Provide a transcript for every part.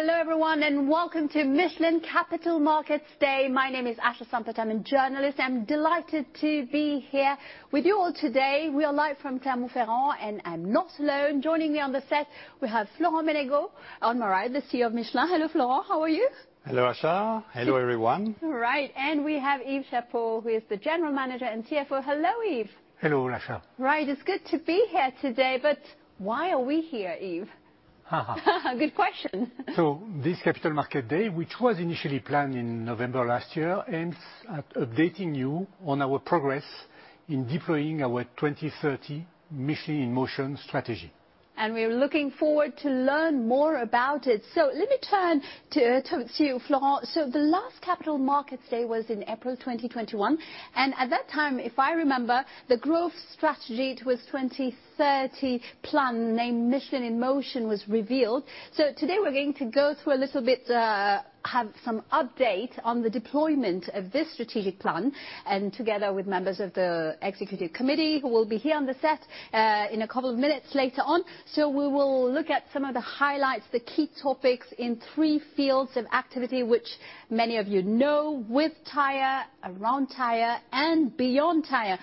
Hello, everyone, and welcome to Michelin Capital Markets Day. My name is Asha Sampat. I'm a journalist. I'm delighted to be here with you all today. We are live from Clermont-Ferrand, and I'm not alone. Joining me on the set we have Florent Menegaux, on my right, the CEO of Michelin. Hello, Florent. How are you? Hello, Asha. Hello, everyone. All right. We have Yves Chapot, who is the General Manager and CFO. Hello, Yves. Hello, Asha. Right. It's good to be here today. Why are we here, Yves? Ha ha. Good question. This Capital Markets Day, which was initially planned in November last year, aims at updating you on our progress in deploying our 2030 Michelin in Motion strategy. We're looking forward to learn more about it. Let me turn to you, Florent. The last Capital Markets Day was in April 2021, and at that time, if I remember, the growth strategy towards 2030 plan, named Michelin in Motion, was revealed. Today we're going to go through a little bit, have some update on the deployment of this strategic plan and together with members of the executive committee, who will be here on the set, in a couple of minutes later on. We will look at some of the highlights, the key topics in three fields of activity, which many of you know, with tire, around tire, and beyond tire.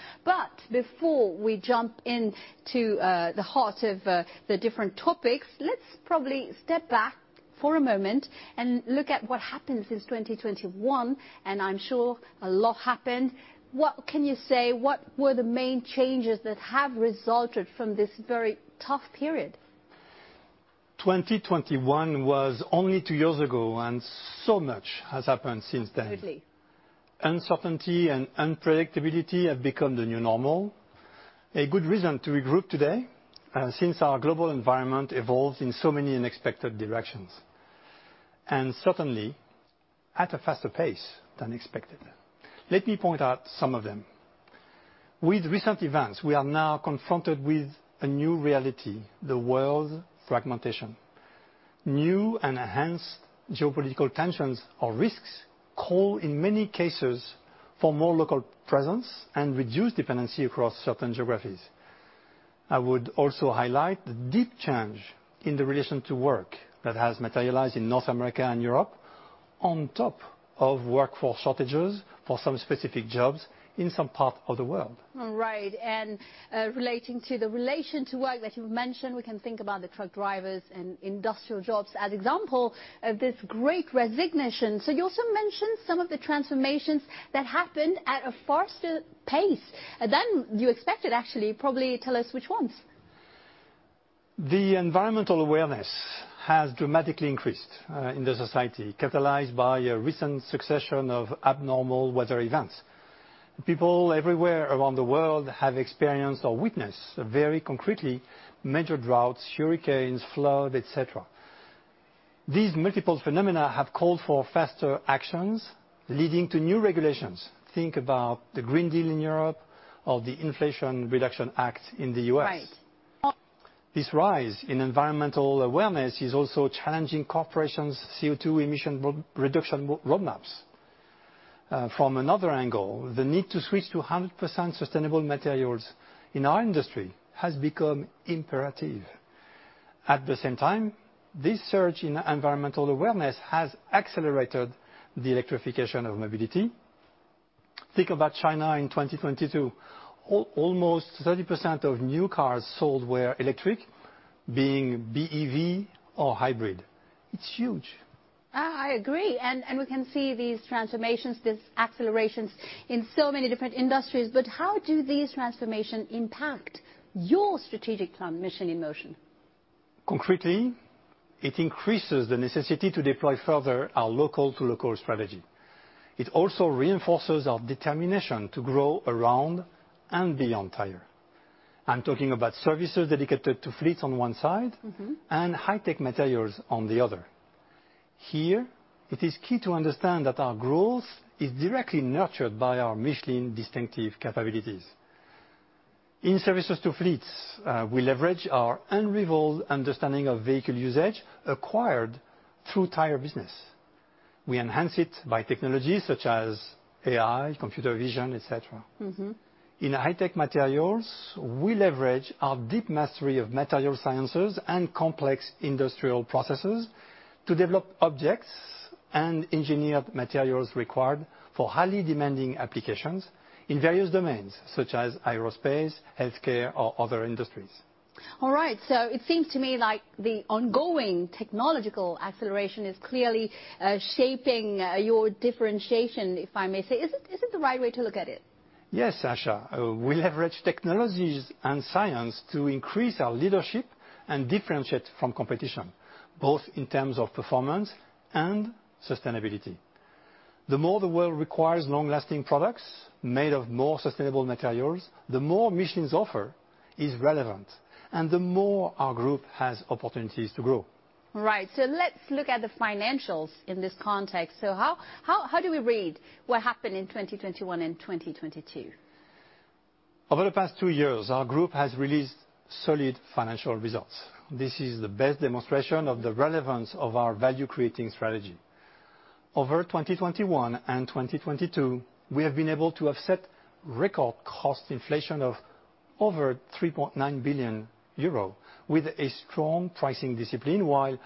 Before we jump into the heart of the different topics, let's probably step back for a moment and look at what happened since 2021, and I'm sure a lot happened. What can you say? What were the main changes that have resulted from this very tough period? 2021 was only two years ago, and so much has happened since then. Absolutely. Uncertainty and unpredictability have become the new normal. A good reason to regroup today, since our global environment evolves in so many unexpected directions, and certainly at a faster pace than expected. Let me point out some of them. With recent events, we are now confronted with a new reality, the world fragmentation. New and enhanced geopolitical tensions or risks call, in many cases, for more local presence and reduced dependency across certain geographies. I would also highlight the deep change in the relation to work that has materialized in North America and Europe on top of workforce shortages for some specific jobs in some parts of the world. All right. Relating to the relation to work that you mentioned, we can think about the truck drivers and industrial jobs as example of this great resignation. You also mentioned some of the transformations that happened at a faster pace than you expected, actually. Probably tell us which ones? The environmental awareness has dramatically increased, in the society, catalyzed by a recent succession of abnormal weather events. People everywhere around the world have experienced or witnessed very concretely major droughts, hurricanes, flood, et cetera. These multiple phenomena have called for faster actions, leading to new regulations. Think about the Green Deal in Europe or the Inflation Reduction Act in the U.S. Right. This rise in environmental awareness is also challenging corporations' CO2 emission reduction road maps. From another angle, the need to switch to 100% sustainable materials in our industry has become imperative. At the same time, this surge in environmental awareness has accelerated the electrification of mobility. Think about China in 2022. almost 30% of new cars sold were electric, being BEV or hybrid. It's huge. I agree. We can see these transformations, these accelerations in so many different industries, but how do these transformation impact your strategic plan, Michelin in Motion? Concretely, it increases the necessity to deploy further our local-to-local strategy. It also reinforces our determination to grow around and beyond tire. I'm talking about services dedicated to fleets on one side- Mm-hmm... and High Tech Materials on the other. Here, it is key to understand that our growth is directly nurtured by our Michelin distinctive capabilities. In services to fleets, we leverage our unrivaled understanding of vehicle usage acquired through tire business. We enhance it by technology such as AI, computer vision, et cetera. Mm-hmm. In High Tech Materials, we leverage our deep mastery of material sciences and complex industrial processes to develop objects and engineer materials required for highly demanding applications in various domains, such as aerospace, healthcare, or other industries. All right. It seems to me like the ongoing technological acceleration is clearly shaping your differentiation, if I may say. Is it the right way to look at it? Yes, Asha. We leverage technologies and science to increase our leadership and differentiate from competition, both in terms of performance and sustainability. The more the world requires long-lasting products made of more sustainable materials, the more Michelin's offer is relevant and the more our group has opportunities to grow. Right. let's look at the financials in this context. how do we read what happened in 2021 and 2022? Over the past two years, our group has released solid financial results. This is the best demonstration of the relevance of our value-creating strategy. Over 2021 and 2022, we have been able to offset record cost inflation of over 3.9 billion euro, with a strong pricing discipline, while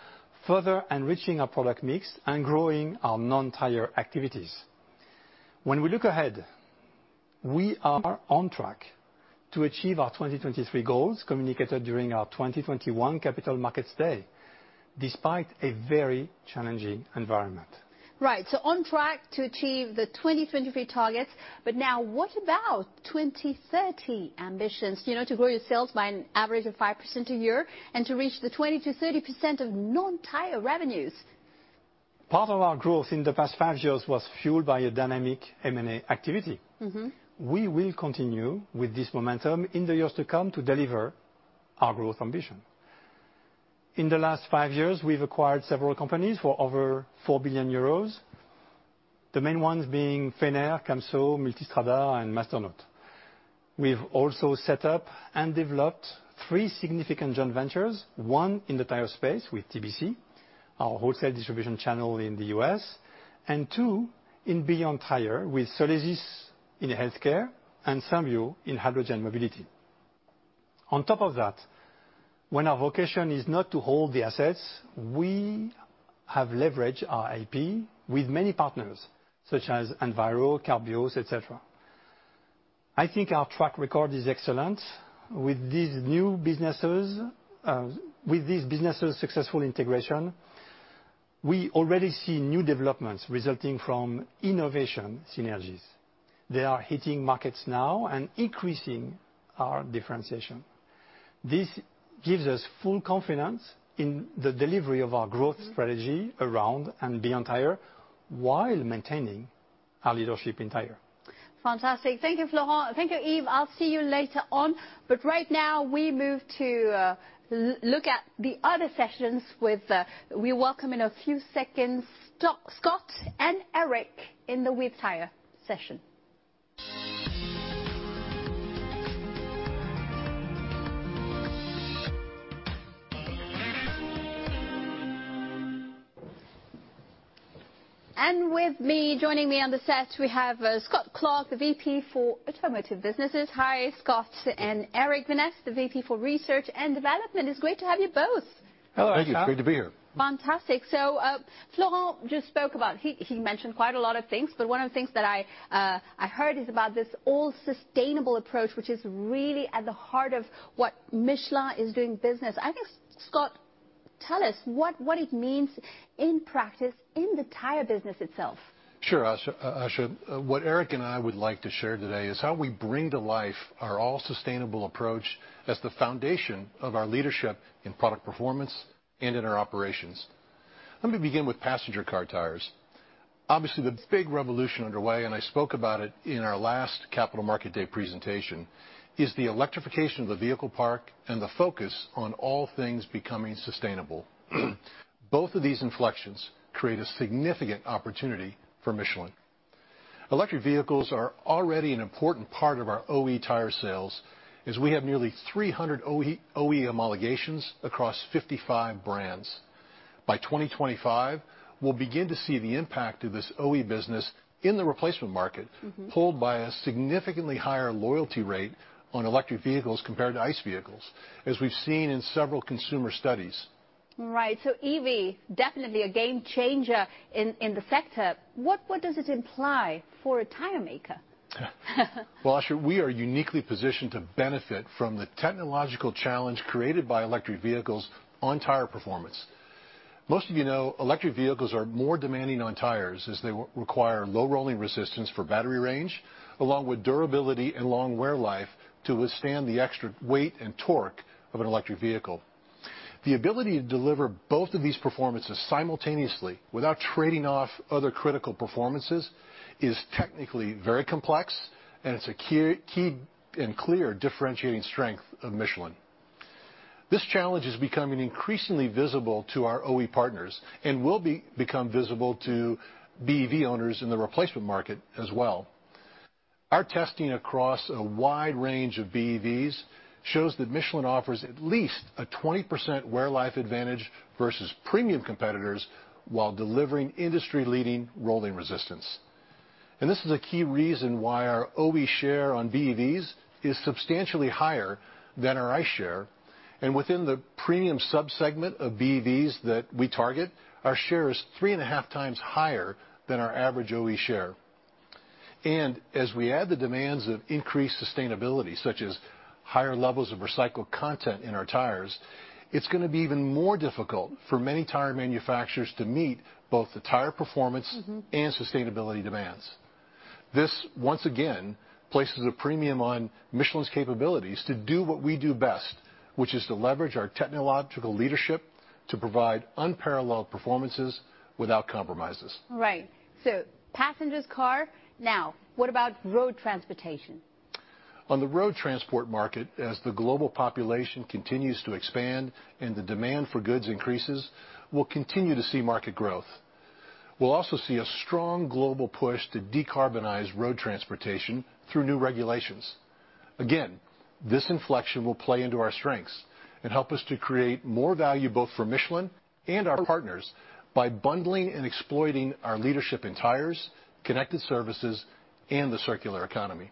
further enriching our product mix and growing our non-tire activities. When we look ahead, we are on track to achieve our 2023 goals communicated during our 2021 Capital Markets Day, despite a very challenging environment. Right. On track to achieve the 2023 targets, but now what about 2030 ambitions, you know, to grow your sales by an average of 5% a year and to reach the 20%-30% of non-tire revenues? Part of our growth in the past five years was fueled by a dynamic M&A activity. Mm-hmm. We will continue with this momentum in the years to come to deliver our growth ambition. In the last five years, we've acquired several companies for over 4 billion euros, the main ones being Fenner, Camso, Multistrada, and Masternaut. We've also set up and developed three significant joint ventures, one in the tire space with TBC, our wholesale distribution channel in the U.S., and two in beyond tire with Solesis in healthcare and Symbio in hydrogen mobility. On top of that, when our vocation is not to hold the assets, we have leveraged our IP with many partners such as Enviro, Carbios, et cetera. I think our track record is excellent. With these businesses' successful integration, we already see new developments resulting from innovation synergies. They are hitting markets now and increasing our differentiation. This gives us full confidence in the delivery of our growth strategy around and beyond tire, while maintaining our leadership in tire. Fantastic. Thank you, Florent. Thank you, Yves. I'll see you later on. Right now, we move to look at the other sessions with we welcome in a few seconds Scott and Eric in the With Tire session. With me, joining me on the set, we have Scott Clark, the VP for Automotive Businesses. Hi, Scott, and Eric Vinesse, the VP for Research & Development. It's great to have you both. Hello, Asha. Thank you. It's great to be here. Fantastic. Florent just spoke about... He mentioned quite a lot of things, but one of the things that I heard is about this all sustainable approach, which is really at the heart of what Michelin is doing business. I think, Scott, tell us what it means in practice in the tire business itself. Sure, Asha. What Eric and I would like to share today is how we bring to life our all sustainable approach as the foundation of our leadership in product performance and in our operations. Let me begin with passenger car tires. Obviously, the big revolution underway, and I spoke about it in our last Capital Markets Day presentation, is the electrification of the vehicle park and the focus on all things becoming sustainable. Both of these inflections create a significant opportunity for Michelin. Electric vehicles are already an important part of our OE tire sales, as we have nearly 300 OE homologations across 55 brands. By 2025, we'll begin to see the impact of this OE business in the replacement market- Mm-hmm fueled by a significantly higher loyalty rate on electric vehicles compared to ICE vehicles, as we've seen in several consumer studies. Right. EV, definitely a game changer in the sector. What does it imply for a tire maker? Well, Asha, we are uniquely positioned to benefit from the technological challenge created by electric vehicles on tire performance. Most of you know, electric vehicles are more demanding on tires, as they require low rolling resistance for battery range, along with durability and long wear life to withstand the extra weight and torque of an electric vehicle. The ability to deliver both of these performances simultaneously without trading off other critical performances is technically very complex, and it's a key and clear differentiating strength of Michelin. This challenge is becoming increasingly visible to our OE partners and become visible to BEV owners in the replacement market as well. Our testing across a wide range of BEVs shows that Michelin offers at least a 20% wear life advantage versus premium competitors, while delivering industry-leading rolling resistance. This is a key reason why our OE share on BEVs is substantially higher than our ICE share. Within the premium sub-segment of BEVs that we target, our share is 3.5x higher than our average OE share. As we add the demands of increased sustainability, such as higher levels of recycled content in our tires, it's gonna be even more difficult for many tire manufacturers to meet both the tire performance- Mm-hmm... and sustainability demands. This, once again, places a premium on Michelin's capabilities to do what we do best, which is to leverage our technological leadership to provide unparalleled performances without compromises. Right. passengers car. Now, what about road transportation? On the road transport market, as the global population continues to expand and the demand for goods increases, we'll continue to see market growth. We'll also see a strong global push to decarbonize road transportation through new regulations. Again, this inflection will play into our strengths and help us to create more value both for Michelin and our partners by bundling and exploiting our leadership in tires, connected services, and the circular economy.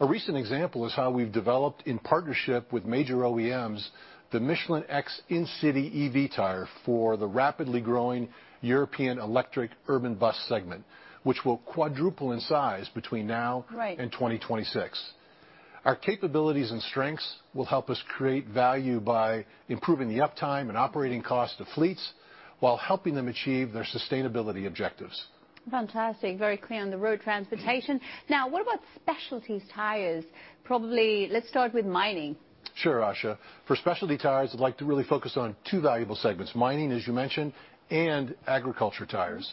A recent example is how we've developed, in partnership with major OEMs, the Michelin X INCITY EV Z tire for the rapidly growing European electric urban bus segment, which will quadruple in size between now. Right... and 2026. Our capabilities and strengths will help us create value by improving the uptime and operating cost of fleets while helping them achieve their sustainability objectives. Fantastic. Very clear on the road transportation. What about specialties tires? Probably let's start with mining. Sure, Asha. For specialty tires, I'd like to really focus on two valuable segments, mining, as you mentioned, and agriculture tires.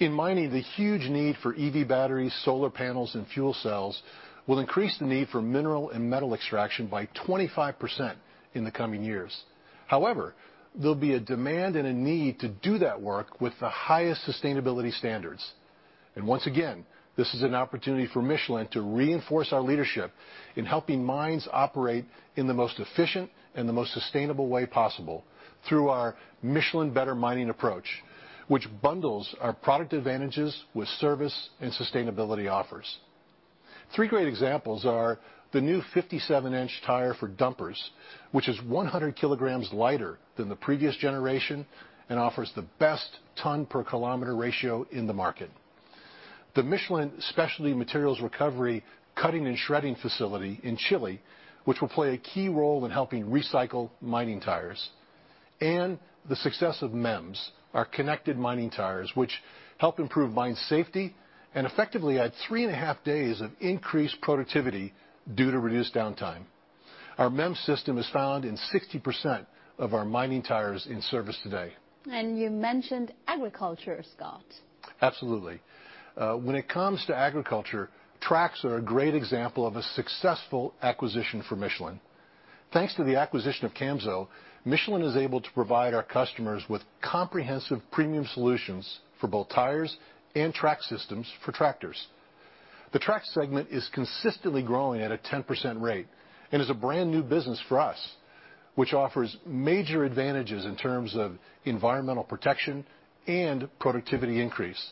In mining, the huge need for EV batteries, solar panels, and fuel cells will increase the need for mineral and metal extraction by 25% in the coming years. However, there'll be a demand and a need to do that work with the highest sustainability standards. Once again, this is an opportunity for Michelin to reinforce our leadership in helping mines operate in the most efficient and the most sustainable way possible through our Michelin Better Mining approach, which bundles our product advantages with service and sustainability offers. Three great examples are the new 57-inch tire for dumpers, which is 100 kilograms lighter than the previous generation and offers the best ton per kilometer ratio in the market. The Michelin specialty materials recovery, cutting and shredding facility in Chile, which will play a key role in helping recycle mining tires, and the success of MEMS, our connected mining tires, which help improve mine safety and effectively add 3.5 days of increased productivity due to reduced downtime. Our MEMS system is found in 60% of our mining tires in service today. You mentioned agriculture, Scott. Absolutely. When it comes to agriculture, tracks are a great example of a successful acquisition for Michelin. Thanks to the acquisition of Camso, Michelin is able to provide our customers with comprehensive premium solutions for both tires and track systems for tractors. The track segment is consistently growing at a 10% rate and is a brand-new business for us, which offers major advantages in terms of environmental protection and productivity increase.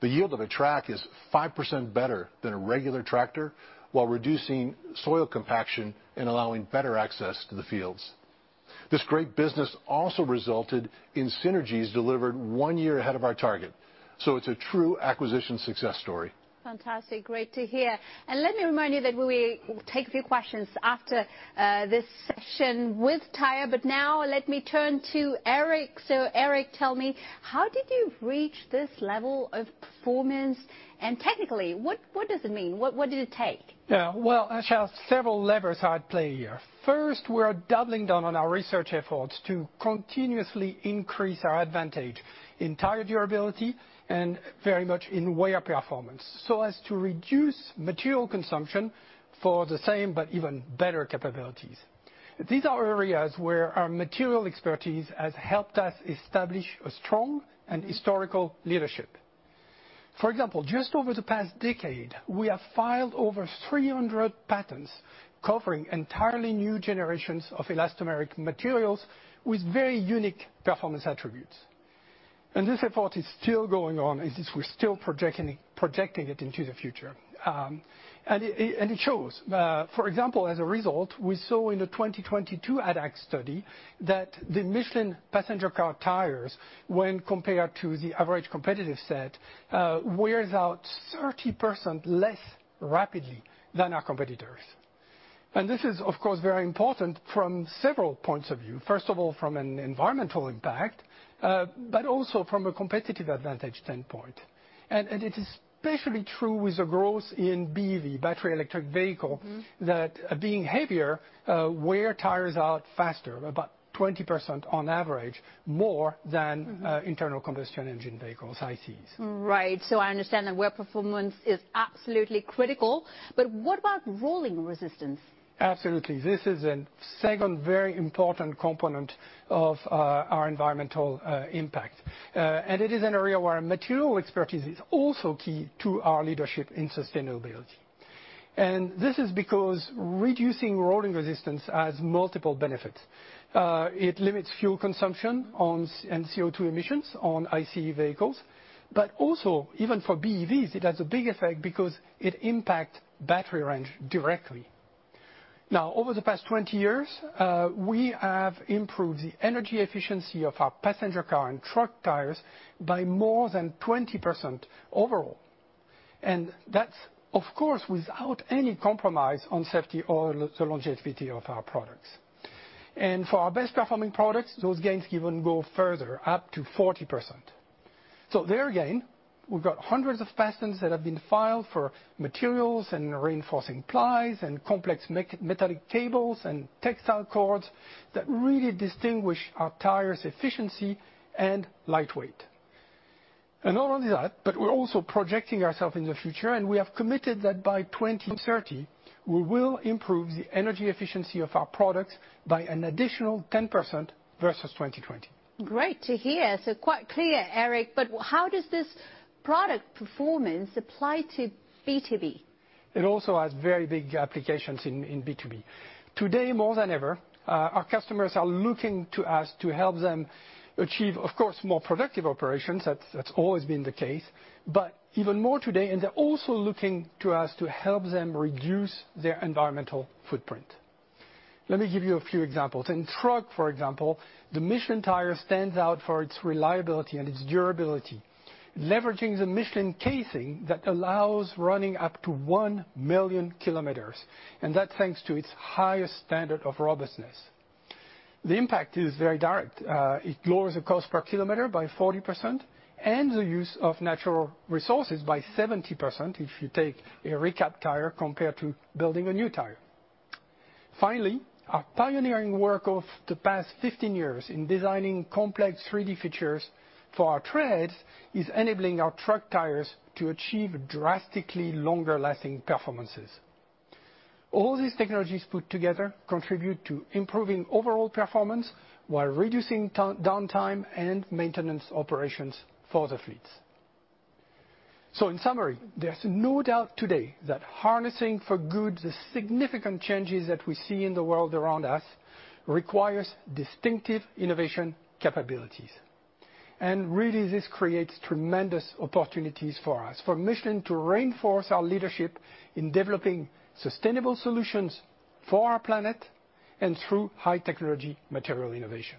The yield of a track is 5% better than a regular tractor while reducing soil compaction and allowing better access to the fields. This great business also resulted in synergies delivered one year ahead of our target, so it's a true acquisition success story. Fantastic. Great to hear. Let me remind you that we take a few questions after this session with tire. Now let me turn to Eric. Eric, tell me, how did you reach this level of performance? Technically, what does it mean? What, what did it take? Well, Asha, several levers are at play here. First, we're doubling down on our research efforts to continuously increase our advantage in tire durability and very much in wear performance so as to reduce material consumption for the same but even better capabilities. These are areas where our material expertise has helped us establish a strong and historical leadership. For example, just over the past decade, we have filed over 300 patents covering entirely new generations of elastomeric materials with very unique performance attributes. This effort is still going on, and we're still projecting it into the future. It shows. For example, as a result, we saw in the 2022 ADAC study that the Michelin passenger car tires, when compared to the average competitive set, wears out 30% less rapidly than our competitors. This is, of course, very important from several points of view. First of all, from an environmental impact, but also from a competitive advantage standpoint. It is especially true with the growth in BEV, battery electric vehicle- Mm-hmm... that are being heavier, wear tires out faster, about 20% on average, more than- Mm-hmm... internal combustion engine vehicles, ICEs. Right. I understand that wear performance is absolutely critical. What about rolling resistance? Absolutely. This is an second very important component of, our environmental, impact. It is an area where material expertise is also key to our leadership in sustainability. This is because reducing rolling resistance has multiple benefits. It limits fuel consumption on... and CO2 emissions on ICE vehicles, but also, even for BEVs, it has a big effect because it impact battery range directly. Over the past 20 years, we have improved the energy efficiency of our passenger car and truck tires by more than 20% overall. That's, of course, without any compromise on safety or the longevity of our products. For our best performing products, those gains even go further, up to 40%. There again, we've got hundreds of patents that have been filed for materials and reinforcing plies and complex metallic cables and textile cords that really distinguish our tires' efficiency and light weight. Not only that, but we're also projecting ourselves in the future, and we have committed that by 2030, we will improve the energy efficiency of our products by an additional 10% versus 2020. Great to hear. Quite clear, Eric. How does this product performance apply to B2B? It also has very big applications in B2B. Today more than ever, our customers are looking to us to help them achieve, of course, more productive operations, that's always been the case, but even more today, and they're also looking to us to help them reduce their environmental footprint. Let me give you a few examples. In truck, for example, the Michelin tire stands out for its reliability and its durability. Leveraging the Michelin casing that allows running up to 1 million kilometers, and that's thanks to its highest standard of robustness. The impact is very direct. It lowers the cost per kilometer by 40% and the use of natural resources by 70% if you take a recap tire compared to building a new tire. Our pioneering work of the past 15 years in designing complex 3D features for our treads is enabling our truck tires to achieve drastically longer-lasting performances. All these technologies put together contribute to improving overall performance, while reducing downtime and maintenance operations for the fleets. In summary, there's no doubt today that harnessing for good the significant changes that we see in the world around us requires distinctive innovation capabilities. Really, this creates tremendous opportunities for us, for Michelin to reinforce our leadership in developing sustainable solutions for our planet and through high technology material innovation.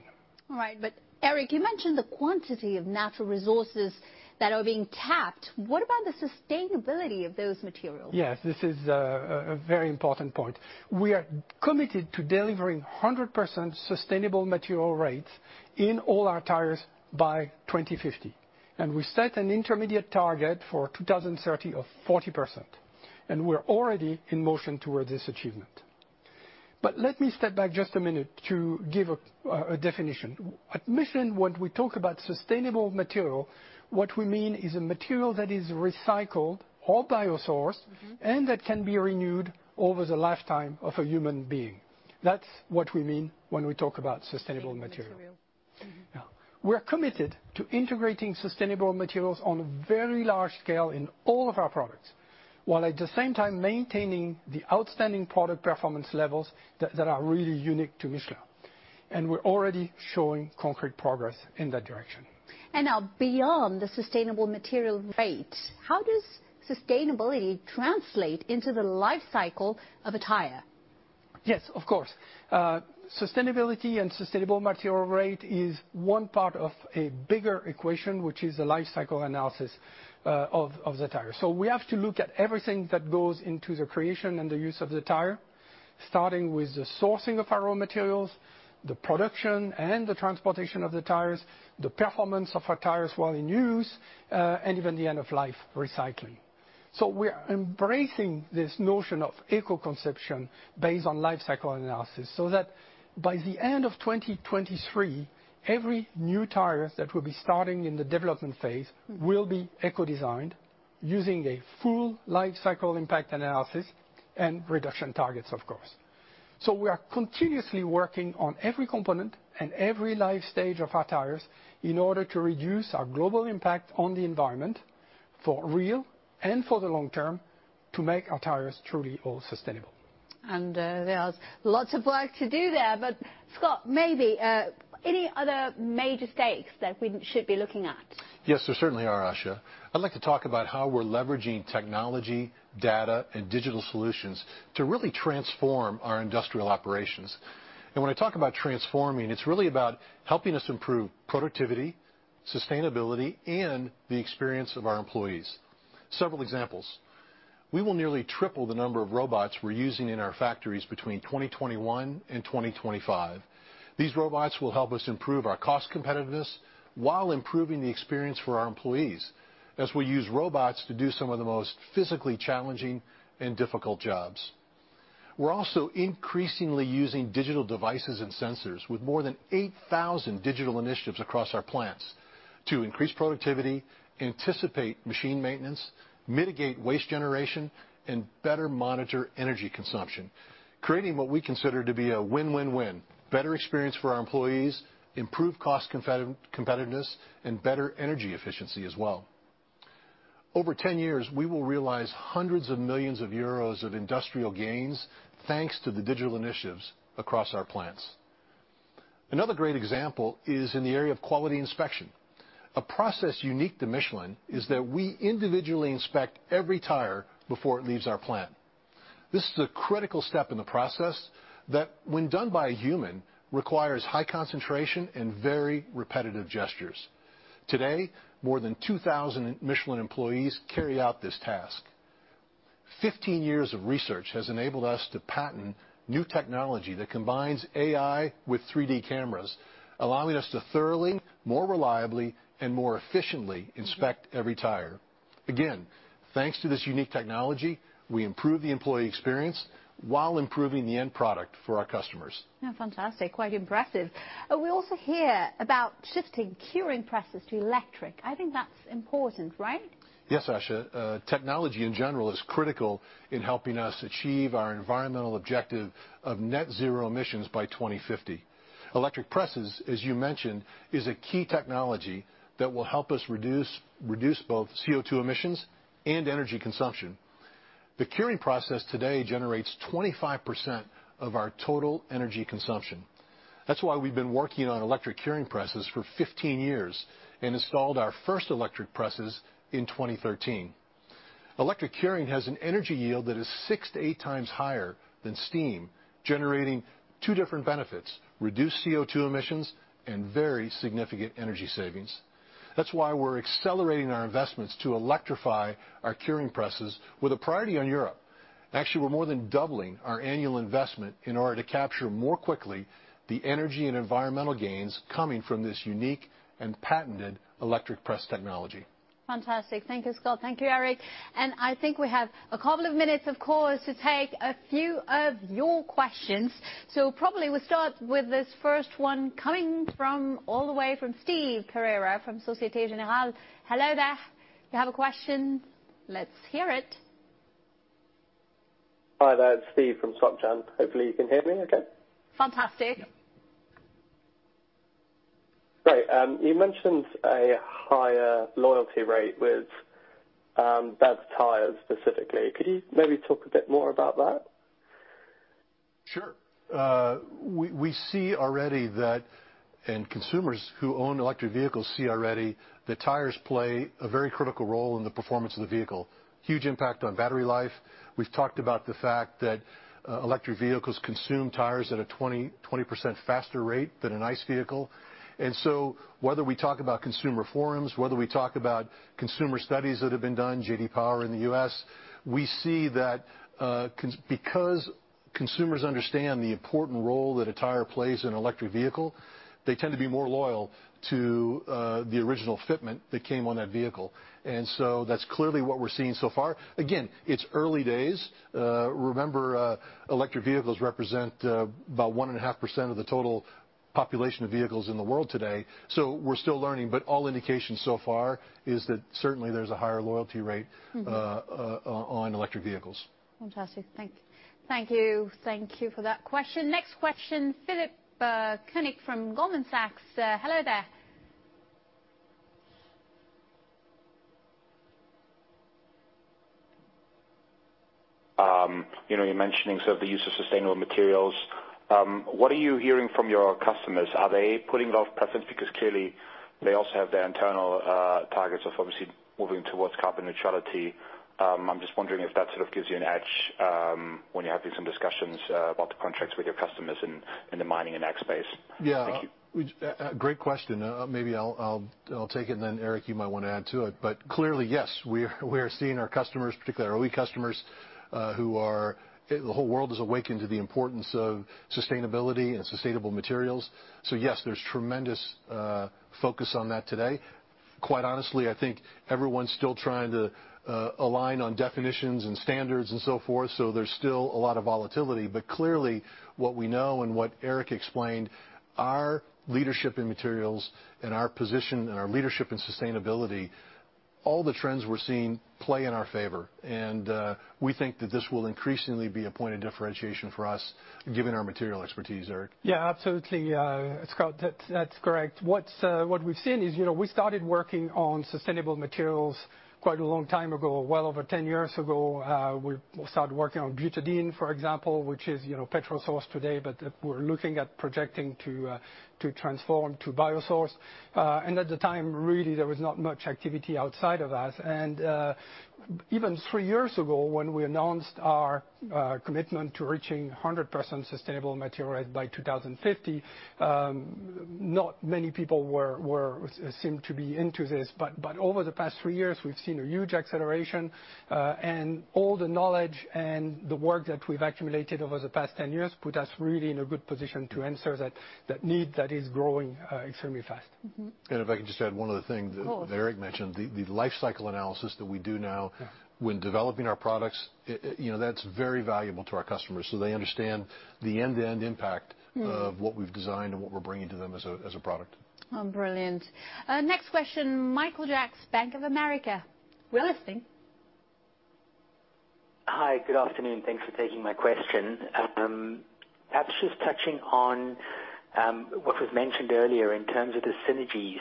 All right. Eric, you mentioned the quantity of natural resources that are being tapped. What about the sustainability of those materials? Yes, this is a very important point. We are committed to delivering 100% sustainable material rates in all our tires by 2050. We set an intermediate target for 2030 of 40%, and we're already in motion toward this achievement. Let me step back just a minute to give a definition. At Michelin, when we talk about sustainable material, what we mean is a material that is recycled or biosourced- Mm-hmm That can be renewed over the lifetime of a human being. That's what we mean when we talk about sustainable material. Sustainable. Mm-hmm. Yeah. We're committed to integrating sustainable materials on a very large scale in all of our products, while at the same time maintaining the outstanding product performance levels that are really unique to Michelin. We're already showing concrete progress in that direction. Now, beyond the sustainable material rate, how does sustainability translate into the life cycle of a tire? Yes, of course. Sustainability and sustainable material rate is one part of a bigger equation, which is the life cycle analysis of the tire. We have to look at everything that goes into the creation and the use of the tire, starting with the sourcing of our raw materials, the production and the transportation of the tires, the performance of our tires while in use, and even the end-of-life recycling. We're embracing this notion of eco-design based on life cycle analysis, so that by the end of 2023, every new tire that will be starting in the development phase will be eco-designed using a full life cycle impact analysis and reduction targets, of course. We are continuously working on every component and every life stage of our tires in order to reduce our global impact on the environment for real and for the long term to make our tires truly all sustainable. There's lots of work to do there. Scott, maybe, any other major stakes that we should be looking at? Yes, there certainly are, Asha. I'd like to talk about how we're leveraging technology, data, and digital solutions to really transform our industrial operations. When I talk about transforming, it's really about helping us improve productivity, sustainability, and the experience of our employees. Several examples. We will nearly triple the number of robots we're using in our factories between 2021 and 2025. These robots will help us improve our cost competitiveness while improving the experience for our employees, as we use robots to do some of the most physically challenging and difficult jobs. We're also increasingly using digital devices and sensors with more than 8,000 digital initiatives across our plants to increase productivity, anticipate machine maintenance, mitigate waste generation, and better monitor energy consumption, creating what we consider to be a win-win-win. Better experience for our employees, improved cost competitiveness, and better energy efficiency as well. Over 10 years, we will realize hundreds of millions of EUR of industrial gains thanks to the digital initiatives across our plants. Another great example is in the area of quality inspection. A process unique to Michelin is that we individually inspect every tire before it leaves our plant. This is a critical step in the process that, when done by a human, requires high concentration and very repetitive gestures. Today, more than 2,000 Michelin employees carry out this task. 15 years of research has enabled us to patent new technology that combines AI with 3D cameras, allowing us to thoroughly, more reliably, and more efficiently inspect every tire. Again, thanks to this unique technology, we improve the employee experience while improving the end product for our customers. Fantastic. Quite impressive. We also hear about shifting curing presses to electric. I think that's important, right? Yes, Asha. Technology in general is critical in helping us achieve our environmental objective of net zero emissions by 2050. Electric presses, as you mentioned, is a key technology that will help us reduce both CO2 emissions and energy consumption. The curing process today generates 25% of our total energy consumption. That's why we've been working on electric curing presses for 15 years and installed our first electric presses in 2013. Electric curing has an energy yield that is six to eight times higher than steam, generating two different benefits, reduced CO2 emissions and very significant energy savings. That's why we're accelerating our investments to electrify our curing presses with a priority on Europe. Actually, we're more than doubling our annual investment in order to capture more quickly the energy and environmental gains coming from this unique and patented electric press technology. Fantastic. Thank you, Scott. Thank you, Eric. I think we have a couple of minutes, of course, to take a few of your questions. Probably we'll start with this first one coming from, all the way from Stéphane Carreira from Société Générale. Hello there. You have a question? Let's hear it. Hi there, it's Stéphane from SocGen. Hopefully you can hear me okay. Fantastic. Great. You mentioned a higher loyalty rate with BEV tires specifically. Could you maybe talk a bit more about that? Sure. We see already that, and consumers who own electric vehicles see already that tires play a very critical role in the performance of the vehicle. Huge impact on battery life. We've talked about the fact that electric vehicles consume tires at a 20% faster rate than an ICE vehicle. Whether we talk about consumer forums, whether we talk about consumer studies that have been done, J.D. Power in the U.S., we see that because consumers understand the important role that a tire plays in an electric vehicle, they tend to be more loyal to the original fitment that came on that vehicle. That's clearly what we're seeing so far. Again, it's early days. Remember, electric vehicles represent about 1.5% of the total population of vehicles in the world today. We're still learning, but all indications so far is that certainly there's a higher loyalty rate on electric vehicles. Fantastic. Thank you. Thank you for that question. Next question, Philipp Koenig from Goldman Sachs. Hello there. You know, you're mentioning sort of the use of sustainable materials. What are you hearing from your customers? Are they putting that off preference? Because clearly they also have their internal targets of obviously moving towards carbon neutrality. I'm just wondering if that sort of gives you an edge when you're having some discussions about the contracts with your customers in the mining and ag space. Thank you. Great question. Maybe I'll take it, then Eric, you might wanna add to it. Clearly, yes, we're seeing our customers, particularly our OE customers. The whole world has awakened to the importance of sustainability and sustainable materials. Yes, there's tremendous focus on that today. Quite honestly, I think everyone's still trying to align on definitions and standards and so forth, there's still a lot of volatility. Clearly, what we know and what Eric explained, our leadership in materials and our position and our leadership in sustainability, all the trends we're seeing play in our favor. We think that this will increasingly be a point of differentiation for us, given our material expertise. Eric? Yeah, absolutely. Scott, that's correct. What we've seen is, you know, we started working on sustainable materials quite a long time ago, well over 10 years ago. We started working on butadiene, for example, which is, you know, petrol source today, but we're looking at projecting to transform to biosource. Even three years ago, when we announced our commitment to reaching 100% sustainable material by 2050, not many people were seemed to be into this. Over the past three years, we've seen a huge acceleration, and all the knowledge and the work that we've accumulated over the past 10 years put us really in a good position to answer that need that is growing, extremely fast. Mm-hmm. If I can just add one other thing that Eric mentioned. Of course. The life cycle analysis that we do now when developing our products, it, you know, that's very valuable to our customers, so they understand the end-to-end impact. Mm. of what we've designed and what we're bringing to them as a, as a product. Oh, brilliant. Next question, Michael Jacks, Bank of America. We're listening. Hi. Good afternoon. Thanks for taking my question. Perhaps just touching on what was mentioned earlier in terms of the synergies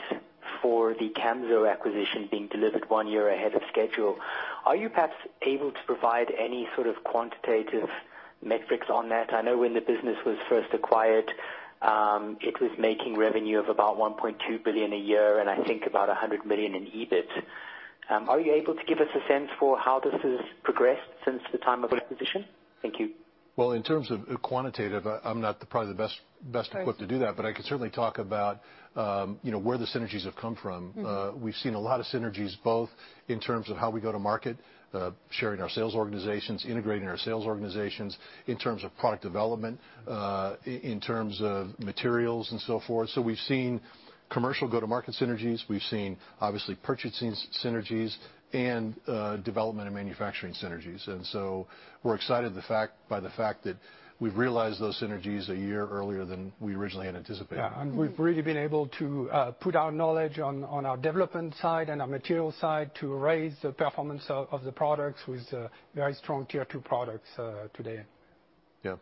for the Camso acquisition being delivered one year ahead of schedule. Are you perhaps able to provide any sort of quantitative metrics on that? I know when the business was first acquired, it was making revenue of about $1.2 billion a year and I think about $100 million in EBIT. Are you able to give us a sense for how this has progressed since the time of acquisition? Thank you. In terms of quantitative, I'm not the, probably the best equipped to do that. Right. I can certainly talk about, you know, where the synergies have come from. Mm. We've seen a lot of synergies, both in terms of how we go to market, sharing our sales organizations, integrating our sales organizations, in terms of product development, in terms of materials and so forth. We've seen commercial go-to-market synergies. We've seen, obviously, purchasing synergies and development and manufacturing synergies. We're excited the fact, by the fact that we've realized those synergies a year earlier than we originally had anticipated. Yeah. We've really been able to put our knowledge on our development side and our material side to raise the performance of the products with very strong tier two products today. Yeah.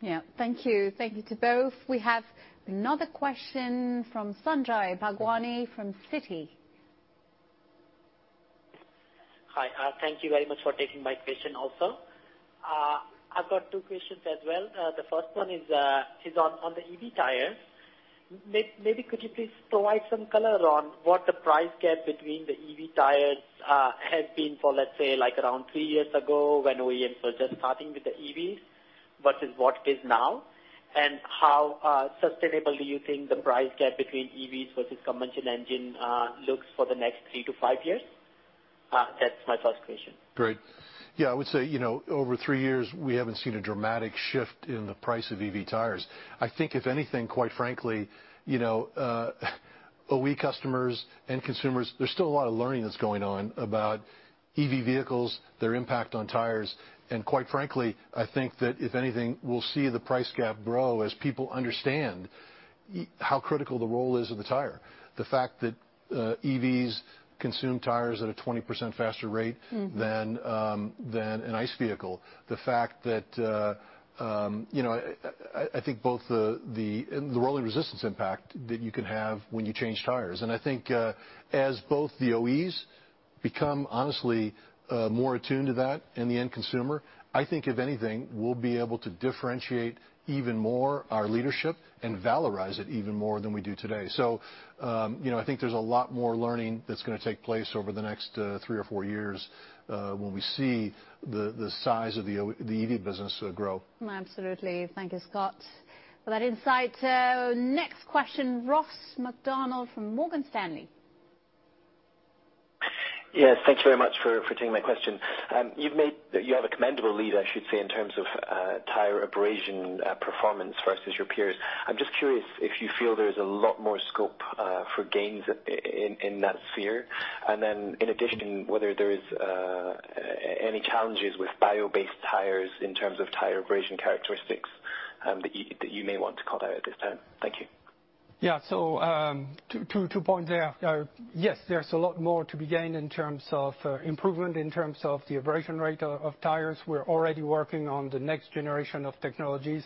Yeah. Thank you. Thank you to both. We have another question from Sanjay Bhagwani from Citi. Hi, thank you very much for taking my question also. I've got two questions as well. The first one is on the EV tires. Maybe could you please provide some color on what the price gap between the EV tires have been for, let's say, like around three years ago when OEMs were just starting with the EVs, versus what it is now? How sustainable do you think the price gap between EVs versus combustion engine looks for the next three-five years? That's my first question. Great. I would say, you know, over three years we haven't seen a dramatic shift in the price of EV tires. I think if anything, quite frankly, you know, OE customers and consumers, there's still a lot of learning that's going on about EV vehicles, their impact on tires, and quite frankly, I think that if anything, we'll see the price gap grow as people understand how critical the role is of the tire. The fact that EVs consume tires at a 20% faster rate. Mm-hmm... than an ICE vehicle. The fact that, you know, I think both the and the rolling resistance impact that you can have when you change tires. I think, as both the OEs become, honestly, more attuned to that and the end consumer, I think if anything, we'll be able to differentiate even more our leadership and valorize it even more than we do today. You know, I think there's a lot more learning that's gonna take place over the next three or four years, when we see the size of the EV business grow. Absolutely. Thank you, Scott, for that insight. Next question, Ross MacDonald from Morgan Stanley. Yes, thank you very much for taking my question. You have a commendable lead, I should say, in terms of tire abrasion performance versus your peers. I'm just curious if you feel there's a lot more scope for gains in that sphere. In addition, whether there is any challenges with bio-based tires in terms of tire abrasion characteristics that you may want to call out at this time. Thank you. Yeah. Two points there. Yes, there's a lot more to be gained in terms of improvement in terms of the abrasion rate of tires. We're already working on the next generation of technologies.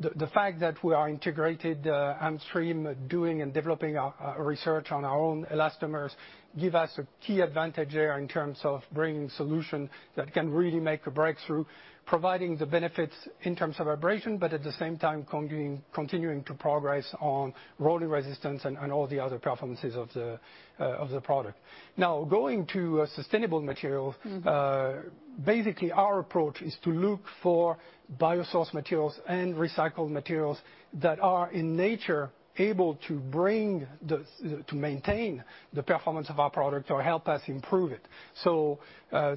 The fact that we are integrated upstream, doing and developing our research on our own elastomers give us a key advantage there in terms of bringing solution that can really make a breakthrough, providing the benefits in terms of abrasion, but at the same time continuing to progress on rolling resistance and all the other performances of the product. Now, going to sustainable material. Mm-hmm. Basically, our approach is to look for biosourced materials and recycled materials that are in nature able to maintain the performance of our product or help us improve it.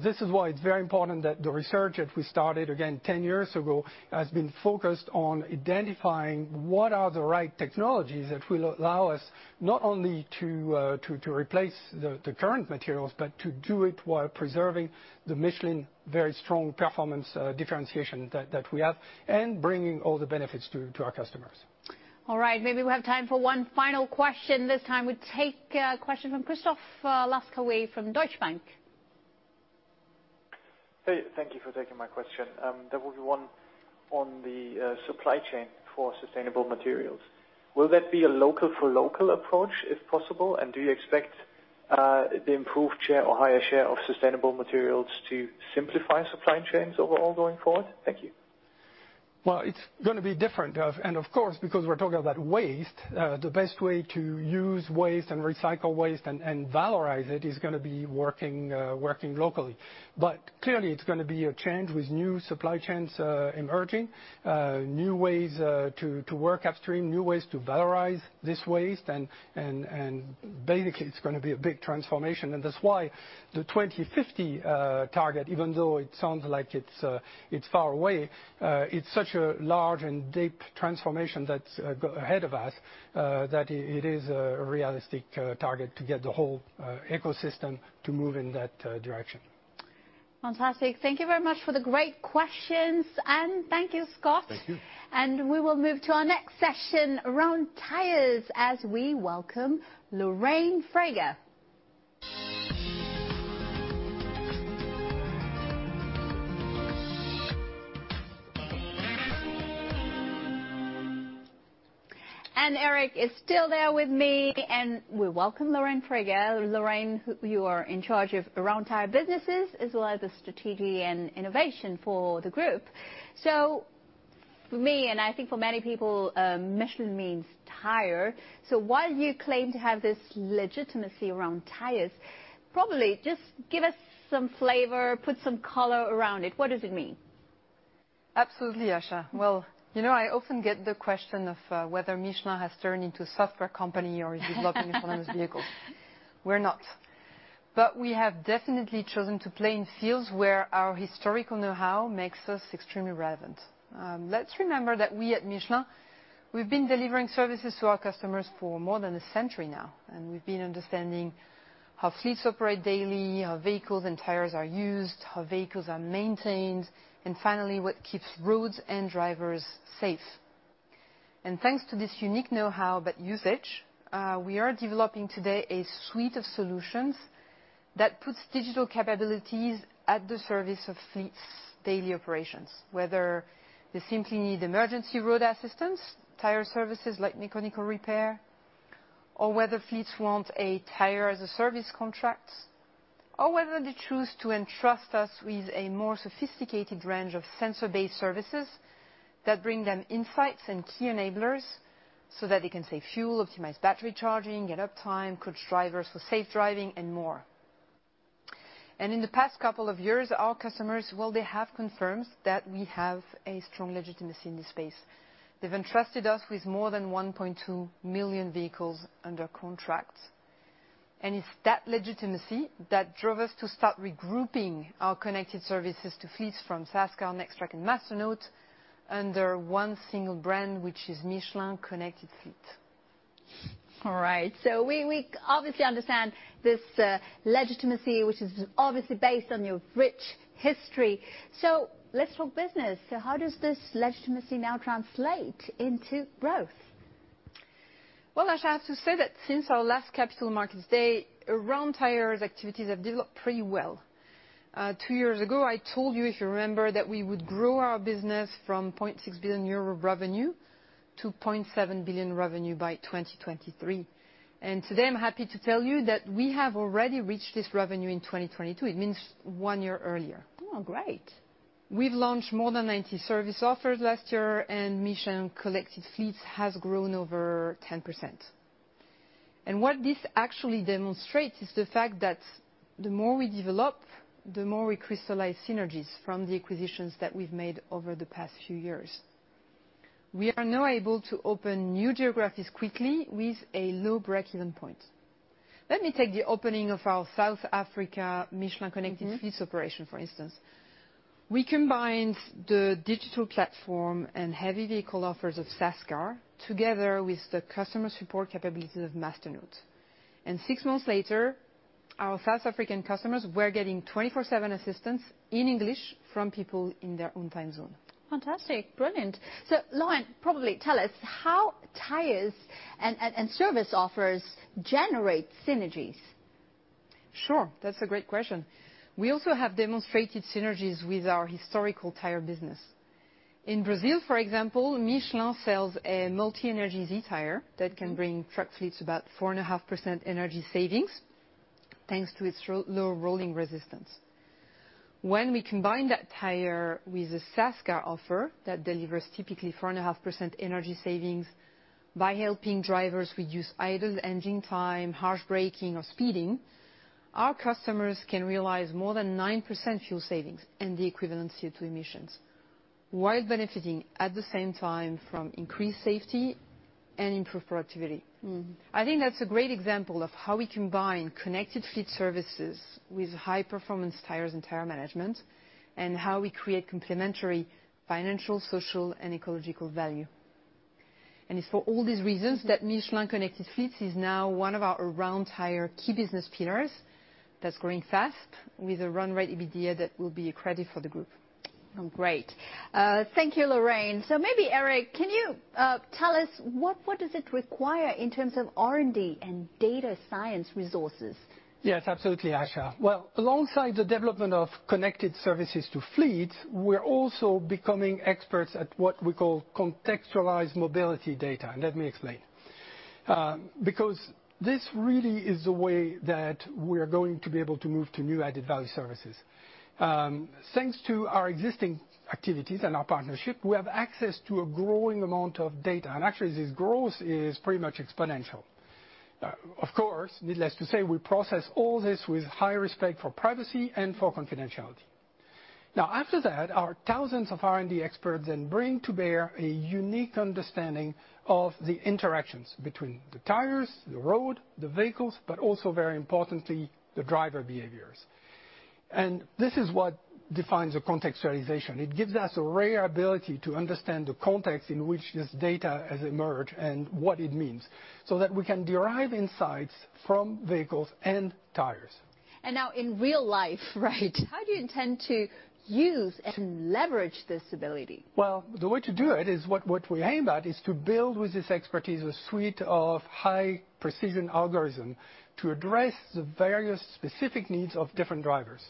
This is why it's very important that the research that we started, again, 10 years ago, has been focused on identifying what are the right technologies that will allow us not only to replace the current materials, but to do it while preserving the Michelin very strong performance differentiation that we have, and bringing all the benefits to our customers. All right. Maybe we have time for one final question. This time we take a question from Christoph Laskawi from Deutsche Bank. Hey, thank you for taking my question. There will be one on the supply chain for sustainable materials. Will that be a local for local approach, if possible? Do you expect the improved share or higher share of sustainable materials to simplify supply chains overall going forward? Thank you. Well, it's gonna be different. Of course, because we're talking about waste, the best way to use waste and recycle waste and valorize it is gonna be working locally. Clearly it's gonna be a change with new supply chains emerging, new ways to work upstream, new ways to valorize this waste, and basically it's gonna be a big transformation. That's why the 2050 target, even though it sounds like it's far away, it's such a large and deep transformation that's ahead of us, that it is a realistic target to get the whole ecosystem to move in that direction. Fantastic. Thank you very much for the great questions. Thank you, Scott. Thank you. We will move to our next session around tires, as we welcome Lorraine Frega. Eric is still there with me. Lorraine, you are in charge of around tire businesses, as well as the strategy and innovation for the group. For me, and I think for many people, Michelin means tire. While you claim to have this legitimacy around tires, probably just give us some flavor, put some color around it. What does it mean? Absolutely, Asha. Well, you know, I often get the question of, whether Michelin has turned into a software company, or is developing autonomous vehicles. We're not. We have definitely chosen to play in fields where our historical know-how makes us extremely relevant. Let's remember that we at Michelin, we've been delivering services to our customers for more than a century now, and we've been understanding how fleets operate daily, how vehicles and tires are used, how vehicles are maintained, and finally, what keeps roads and drivers safe. Thanks to this unique knowhow but usage, we are developing today a suite of solutions that puts digital capabilities at the service of fleet's daily operations, whether they simply need emergency road assistance, tire services like mechanical repair, or whether fleets want a tire-as-a-service contract, or whether they choose to entrust us with a more sophisticated range of sensor-based services that bring them insights and key enablers so that they can save fuel, optimize battery charging, get uptime, coach drivers for safe driving and more. In the past couple of years, our customers, well, they have confirmed that we have a strong legitimacy in this space. They've entrusted us with more than 1.2 million vehicles under contract. It's that legitimacy that drove us to start regrouping our connected services to fleets from Sascar, NexTraq and Masternaut under one single brand, which is Michelin Connected Fleet. All right, we obviously understand this legitimacy, which is obviously based on your rich history. Let's talk business. How does this legitimacy now translate into growth? Well, Asha, I have to say that since our last Capital Markets Day, around tires, activities have developed pretty well. Two years ago, I told you, if you remember, that we would grow our business from 0.6 billion euro revenue to 0.7 billion revenue by 2023. Today, I'm happy to tell you that we have already reached this revenue in 2022. It means one year earlier. Oh, great. We've launched more than 90 service offers last year. Michelin Connected Fleets has grown over 10%. What this actually demonstrates is the fact that the more we develop, the more we crystallize synergies from the acquisitions that we've made over the past few years. We are now able to open new geographies quickly with a low breakeven point. Let me take the opening of our South Africa Michelin- Mm-hmm... Connected Fleets operation, for instance. We combined the digital platform and heavy vehicle offers of Sascar together with the customer support capabilities of Masternaut. Six months later, our South African customers were getting 24/7 assistance in English from people in their own time zone. Fantastic. Brilliant. Lorraine, probably tell us how tires and service offers generate synergies. Sure. That's a great question. We also have demonstrated synergies with our historical tire business. In Brazil, for example, Michelin sells a Multi Energy Z tire that can. Mm-hmm... truck fleets about 4.5% energy savings, thanks to its low rolling resistance. When we combine that tire with a Sascar offer that delivers typically 4.5% energy savings by helping drivers reduce idle engine time, harsh braking or speeding, our customers can realize more than 9% fuel savings and the equivalent CO2 emissions, while benefiting at the same time from increased safety and improved productivity. Mm-hmm. I think that's a great example of how we combine Connected Fleet services with high performance tires and tire management, and how we create complementary financial, social and ecological value. It's for all these reasons that Michelin Connected Fleets is now one of our around tire key business pillars that's growing fast with a run rate EBITDA that will be a credit for the group. Great. Thank you, Lorraine. Maybe, Eric, can you tell us what does it require in terms of R&D and data science resources? Yes, absolutely, Asha. Well, alongside the development of Connected Services to Fleets, we're also becoming experts at what we call contextualized mobility data. Let me explain. Because this really is the way that we're going to be able to move to new added value services. Thanks to our existing activities and our partnership, we have access to a growing amount of data. Actually, this growth is pretty much exponential. Of course, needless to say, we process all this with high respect for privacy and for confidentiality. Now, after that, our thousands of R&D experts then bring to bear a unique understanding of the interactions between the tires, the road, the vehicles. Also very importantly, the driver behaviors. This is what defines a contextualization. It gives us a rare ability to understand the context in which this data has emerged and what it means, so that we can derive insights from vehicles and tires. Now in real life, right, how do you intend to use and leverage this ability? Well, the way to do it is what we aim at is to build, with this expertise, a suite of high precision algorithm to address the various specific needs of different drivers.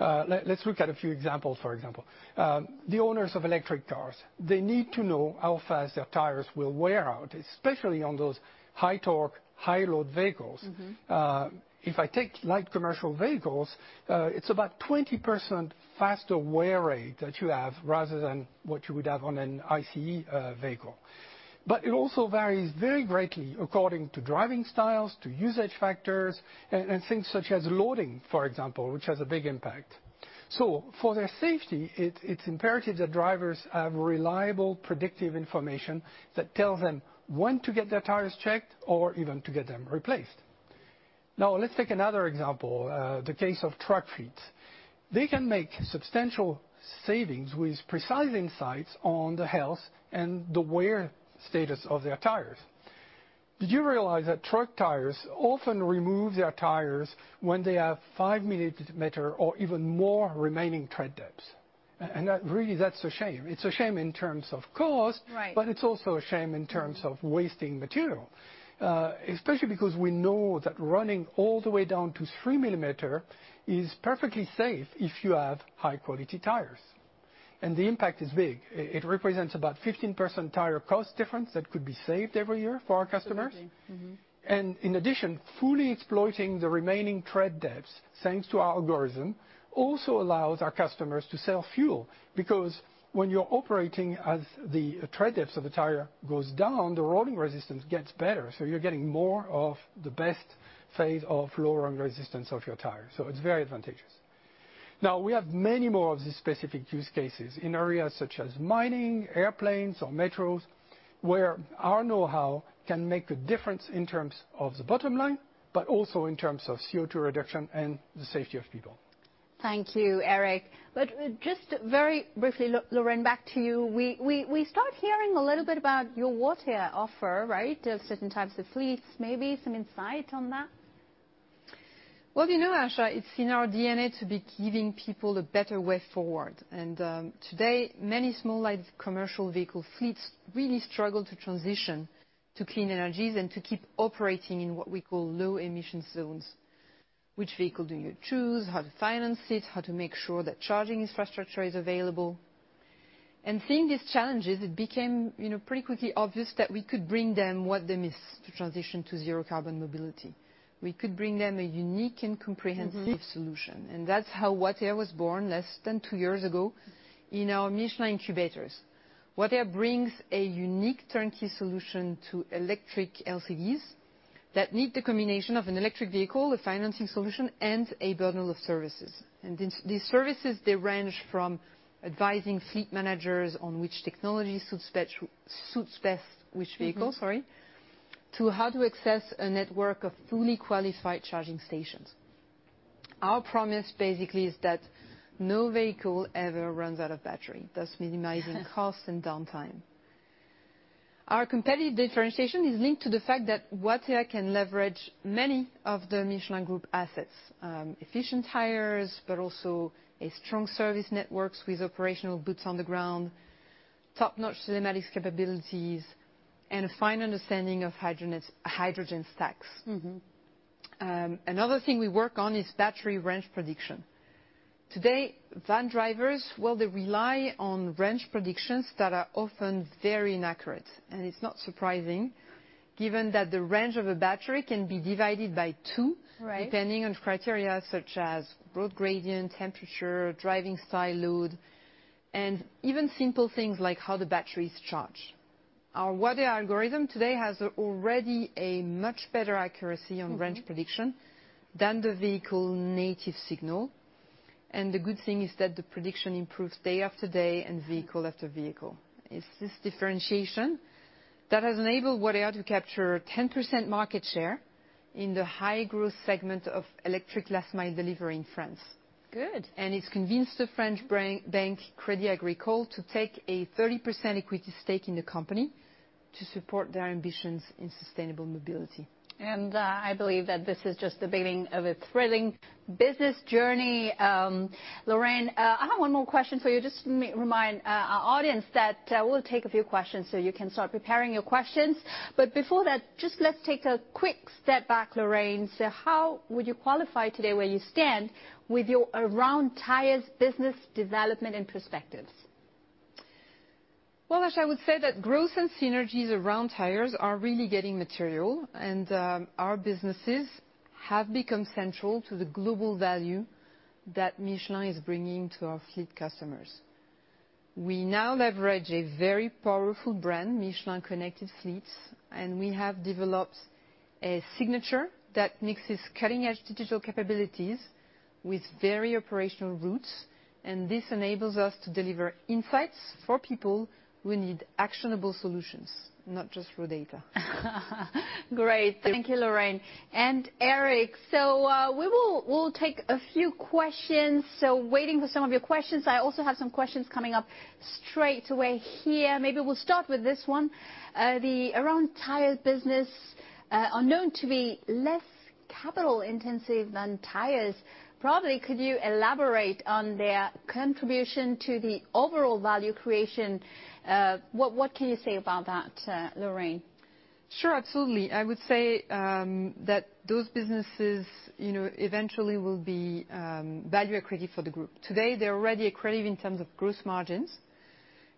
Let's look at a few examples, for example. The owners of electric cars, they need to know how fast their tires will wear out, especially on those high torque, high load vehicles. Mm-hmm. If I take light commercial vehicles, it's about 20% faster wear rate that you have rather than what you would have on an ICE vehicle. It also varies very greatly according to driving styles, to usage factors and things such as loading, for example, which has a big impact. For their safety, it's imperative that drivers have reliable, predictive information that tells them when to get their tires checked or even to get them replaced. Now, let's take another example, the case of truck fleets. They can make substantial savings with precise insights on the health and the wear status of their tires. Do you realize that truck tires often remove their tires when they have 5 millimeter or even more remaining tread depths? That, really that's a shame. It's a shame in terms of cost- Right It's also a shame in terms of wasting material. Especially because we know that running all the way down to 3 millimeters is perfectly safe if you have high quality tires. The impact is big. It represents about 15% tire cost difference that could be saved every year for our customers. Potentially. Mm-hmm. In addition, fully exploiting the remaining tread depths, thanks to our algorithm, also allows our customers to save fuel, because when you're operating as the tread depths of the tire goes down, the rolling resistance gets better, so you're getting more of the best phase of low rolling resistance of your tire. It's very advantageous. Now, we have many more of these specific use cases, in areas such as mining, airplanes or metros, where our know-how can make a difference in terms of the bottom line, but also in terms of CO2 reduction and the safety of people. Thank you, Eric. Just very briefly, Lorraine, back to you. We start hearing a little bit about your Watèa offer, right? Of certain types of fleets, maybe some insight on that? Well, you know, Asha, it's in our DNA to be giving people a better way forward, and today, many small and large commercial vehicle fleets really struggle to transition to clean energies and to keep operating in what we call low emission zones. Which vehicle do you choose? How to finance it, how to make sure that charging infrastructure is available. Seeing these challenges, it became, you know, pretty quickly obvious that we could bring them what they miss to transition to zero carbon mobility. We could bring them a unique and comprehensive solution. Mm-hmm. That's how Watèa was born less than two years ago in our Michelin incubators. Watèa brings a unique turnkey solution to electric LCDs that meet the combination of an electric vehicle, a financing solution, and a bundle of services. These services, they range from advising fleet managers on which technology suits best which vehicle. Mm-hmm... sorry, to how to access a network of fully qualified charging stations. Our promise basically is that no vehicle ever runs out of battery, thus minimizing costs and downtime. Our competitive differentiation is linked to the fact that Watèa can leverage many of the Michelin Group assets. efficient tires, but also a strong service networks with operational boots on the ground, top-notch telematics capabilities, and a fine understanding of hydrogen stacks. Mm-hmm. Another thing we work on is battery range prediction. Today, van drivers, they rely on range predictions that are often very inaccurate. It's not surprising, given that the range of a battery can be divided by two. Right... depending on criteria such as road gradient, temperature, driving style, load, and even simple things like how the battery is charged. Our Watèa algorithm today has already a much better accuracy on range prediction. Mm-hmm than the vehicle native signal, and the good thing is that the prediction improves day after day and vehicle after vehicle. It's this differentiation that has enabled Watèa to capture 10% market share in the high-growth segment of electric last mile delivery in France. Good. It's convinced the French bank, Crédit Agricole, to take a 30% equity stake in the company to support their ambitions in sustainable mobility. I believe that this is just the beginning of a thrilling business journey. Lorraine, I have one more question for you. Just remind our audience that we'll take a few questions, so you can start preparing your questions. Before that, just let's take a quick step back, Lorraine. How would you qualify today where you stand with your Around Tires business development and perspectives? Asha, I would say that growth and synergies around tires are really getting material. Our businesses have become central to the global value that Michelin is bringing to our fleet customers. We now leverage a very powerful brand, Michelin Connected Fleets. We have developed a signature that mixes cutting-edge digital capabilities with very operational roots. This enables us to deliver insights for people who need actionable solutions, not just raw data. Great. Thank you, Lorraine. Eric, we'll take a few questions, so waiting for some of your questions. I also have some questions coming up straight away here. Maybe we'll start with this one. The Around Tires business are known to be less capital intensive than tires. Probably, could you elaborate on their contribution to the overall value creation? What can you say about that, Lorraine? Sure, absolutely. I would say that those businesses, you know, eventually will be value accretive for the group. Today, they're already accretive in terms of gross margins,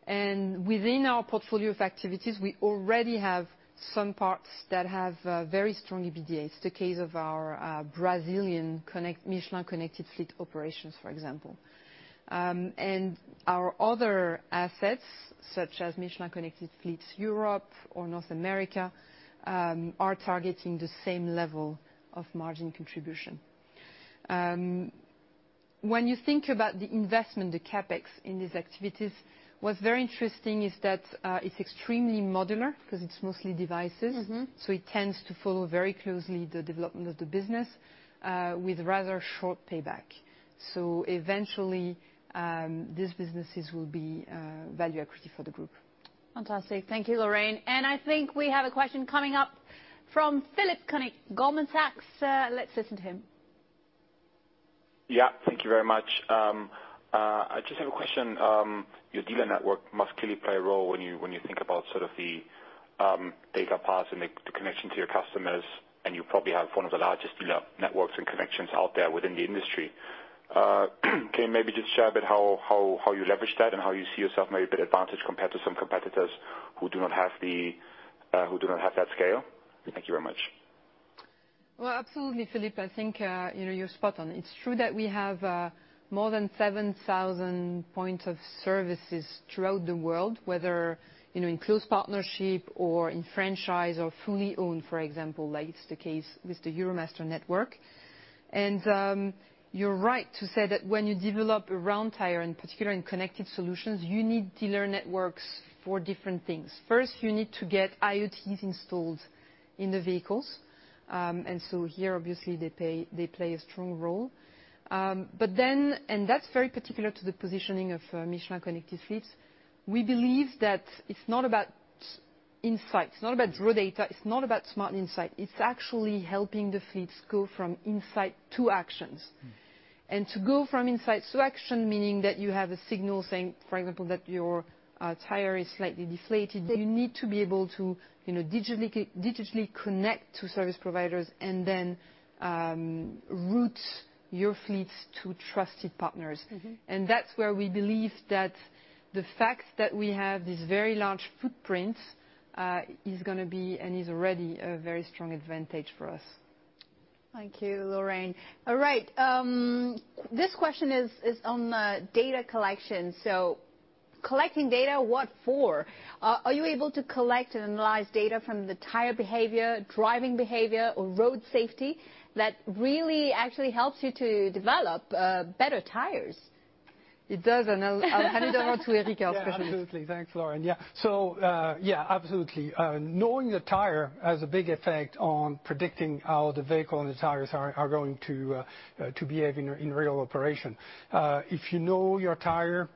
within our portfolio of activities, we already have some parts that have very strong EBITDA. It's the case of our Brazilian connect, Michelin Connected Fleet operations, for example. Our other assets, such as Michelin Connected Fleet Europe or North America, are targeting the same level of margin contribution. When you think about the investment, the CapEx, in these activities, what's very interesting is that it's extremely modular, 'cause it's mostly devices. Mm-hmm. It tends to follow very closely the development of the business, with rather short payback. Eventually, these businesses will be value accretive for the group. Fantastic. Thank you, Lorraine. I think we have a question coming up from Philipp Koenig, Goldman Sachs. Let's listen to him. Yeah, thank you very much. I just have a question. Your dealer network must clearly play a role when you think about sort of the data parts and the connection to your customers. You probably have one of the largest dealer networks and connections out there within the industry. Can you maybe just share a bit how you leverage that and how you see yourself maybe at advantage compared to some competitors who do not have that scale? Thank you very much. Well, absolutely, Philipp. I think, you know, you're spot on. It's true that we have more than 7,000 points of services throughout the world, whether, you know, in close partnership or in franchise or fully owned, for example, like is the case with the Euromaster network. You're right to say that when you develop around tire, in particular in connected solutions, you need dealer networks for different things. First, you need to get IoT installed in the vehicles, and so here obviously they play a strong role. That's very particular to the positioning of Michelin Connected Fleets, we believe that it's not about insights, it's not about raw data, it's not about smart insight, it's actually helping the fleets go from insight to actions. Mm. To go from insight to action, meaning that you have a signal saying, for example, that your, tire is slightly deflated, that you need to be able to, you know, digitally connect to service providers and then, route your fleets to trusted partners. Mm-hmm. That's where we believe that the fact that we have this very large footprint, is gonna be and is already a very strong advantage for us. Thank you, Lorraine. All right. This question is on data collection. Collecting data, what for? Are you able to collect and analyze data from the tire behavior, driving behavior or road safety that really actually helps you to develop better tires? It does, and I'll hand it over to Eric, our specialist. Yeah, absolutely. Thanks, Lorraine. Yeah. Yeah, absolutely. Knowing the tire has a big effect on predicting how the vehicle and the tires are going to behave in a real operation. If you know your tire,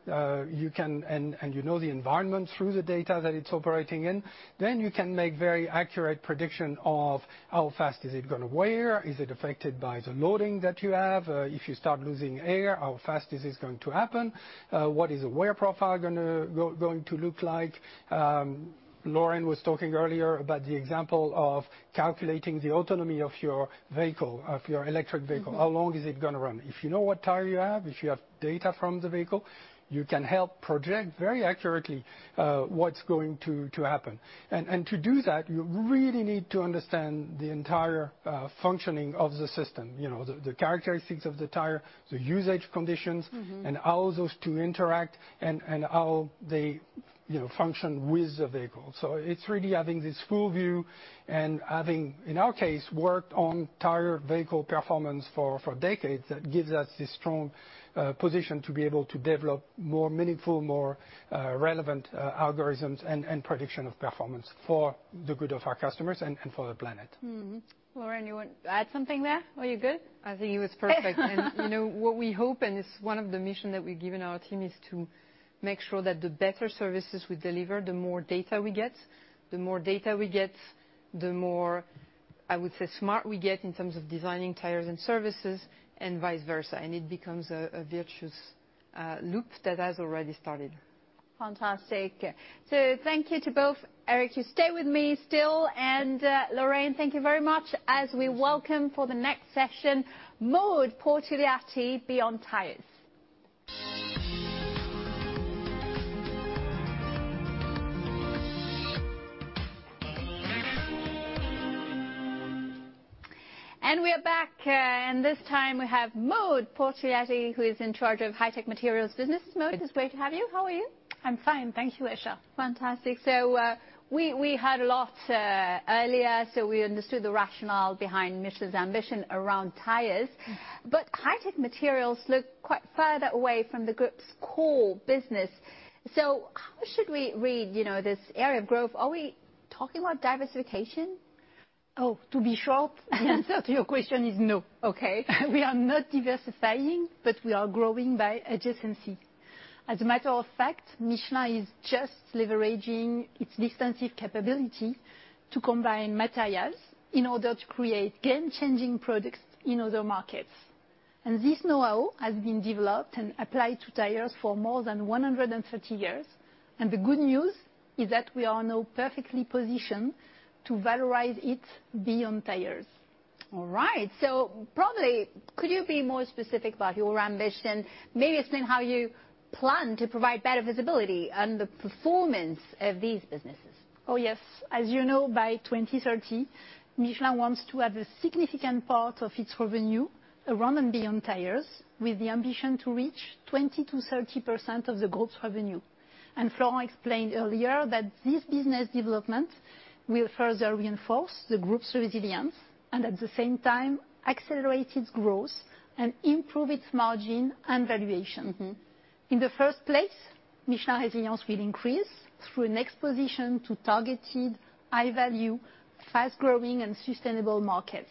you can and you know the environment through the data that it's operating in, then you can make very accurate prediction of how fast is it gonna wear, is it affected by the loading that you have, if you start losing air, how fast is this going to happen? What is the wear profile going to look like? Lorraine was talking earlier about the example of calculating the autonomy of your vehicle, of your electric vehicle. Mm-hmm. How long is it gonna run? If you know what tire you have, if you have data from the vehicle, you can help project very accurately what's going to happen. To do that, you really need to understand the entire functioning of the system, you know, the characteristics of the tire, the usage conditions. Mm-hmm... and how those two interact and how they, you know, function with the vehicle. It's really having this full view and having, in our case, worked on tire vehicle performance for decades, that gives us this strong position to be able to develop more meaningful, more relevant algorithms and prediction of performance for the good of our customers and for the planet. Mm-hmm. Lorraine, you want to add something there? Are you good? I think he was perfect. You know, what we hope, it's one of the mission that we've given our team, is to make sure that the better services we deliver, the more data we get, the more, I would say, smart we get in terms of designing tires and services, and vice versa. It becomes a virtuous loop that has already started. Fantastic. Thank you to both. Eric, you stay with me still. Lorraine, thank you very much, as we welcome for the next session, Maude Portigliatti, Beyond Tires. We are back, and this time we have Maude Portigliatti, who is in charge of High Tech Materials business. Maude, it's great to have you. How are you? I'm fine, thank you, Asha. Fantastic. We heard a lot earlier, so we understood the rationale behind Michelin's ambition around tires. Mm. High Tech Materials look quite further away from the group's core business. How should we read, you know, this area of growth? Are we talking about diversification? Oh, the answer to your question is no. Okay. We are not diversifying, but we are growing by adjacency. As a matter of fact, Michelin is just leveraging its distinctive capability to combine materials in order to create game-changing products in other markets. This know-how has been developed and applied to tires for more than 130 years. The good news is that we are now perfectly positioned to valorize it beyond tires. All right. Probably could you be more specific about your ambition? Maybe explain how you plan to provide better visibility on the performance of these businesses. Oh, yes. As you know, by 2030, Michelin wants to have a significant part of its revenue around and beyond tires, with the ambition to reach 20%-30% of the group's revenue. Florent explained earlier that this business development will further reinforce the group's resilience and, at the same time, accelerate its growth and improve its margin and valuation. Mm-hmm. In the first place, Michelin resilience will increase through an exposition to targeted high-value, fast-growing and sustainable markets.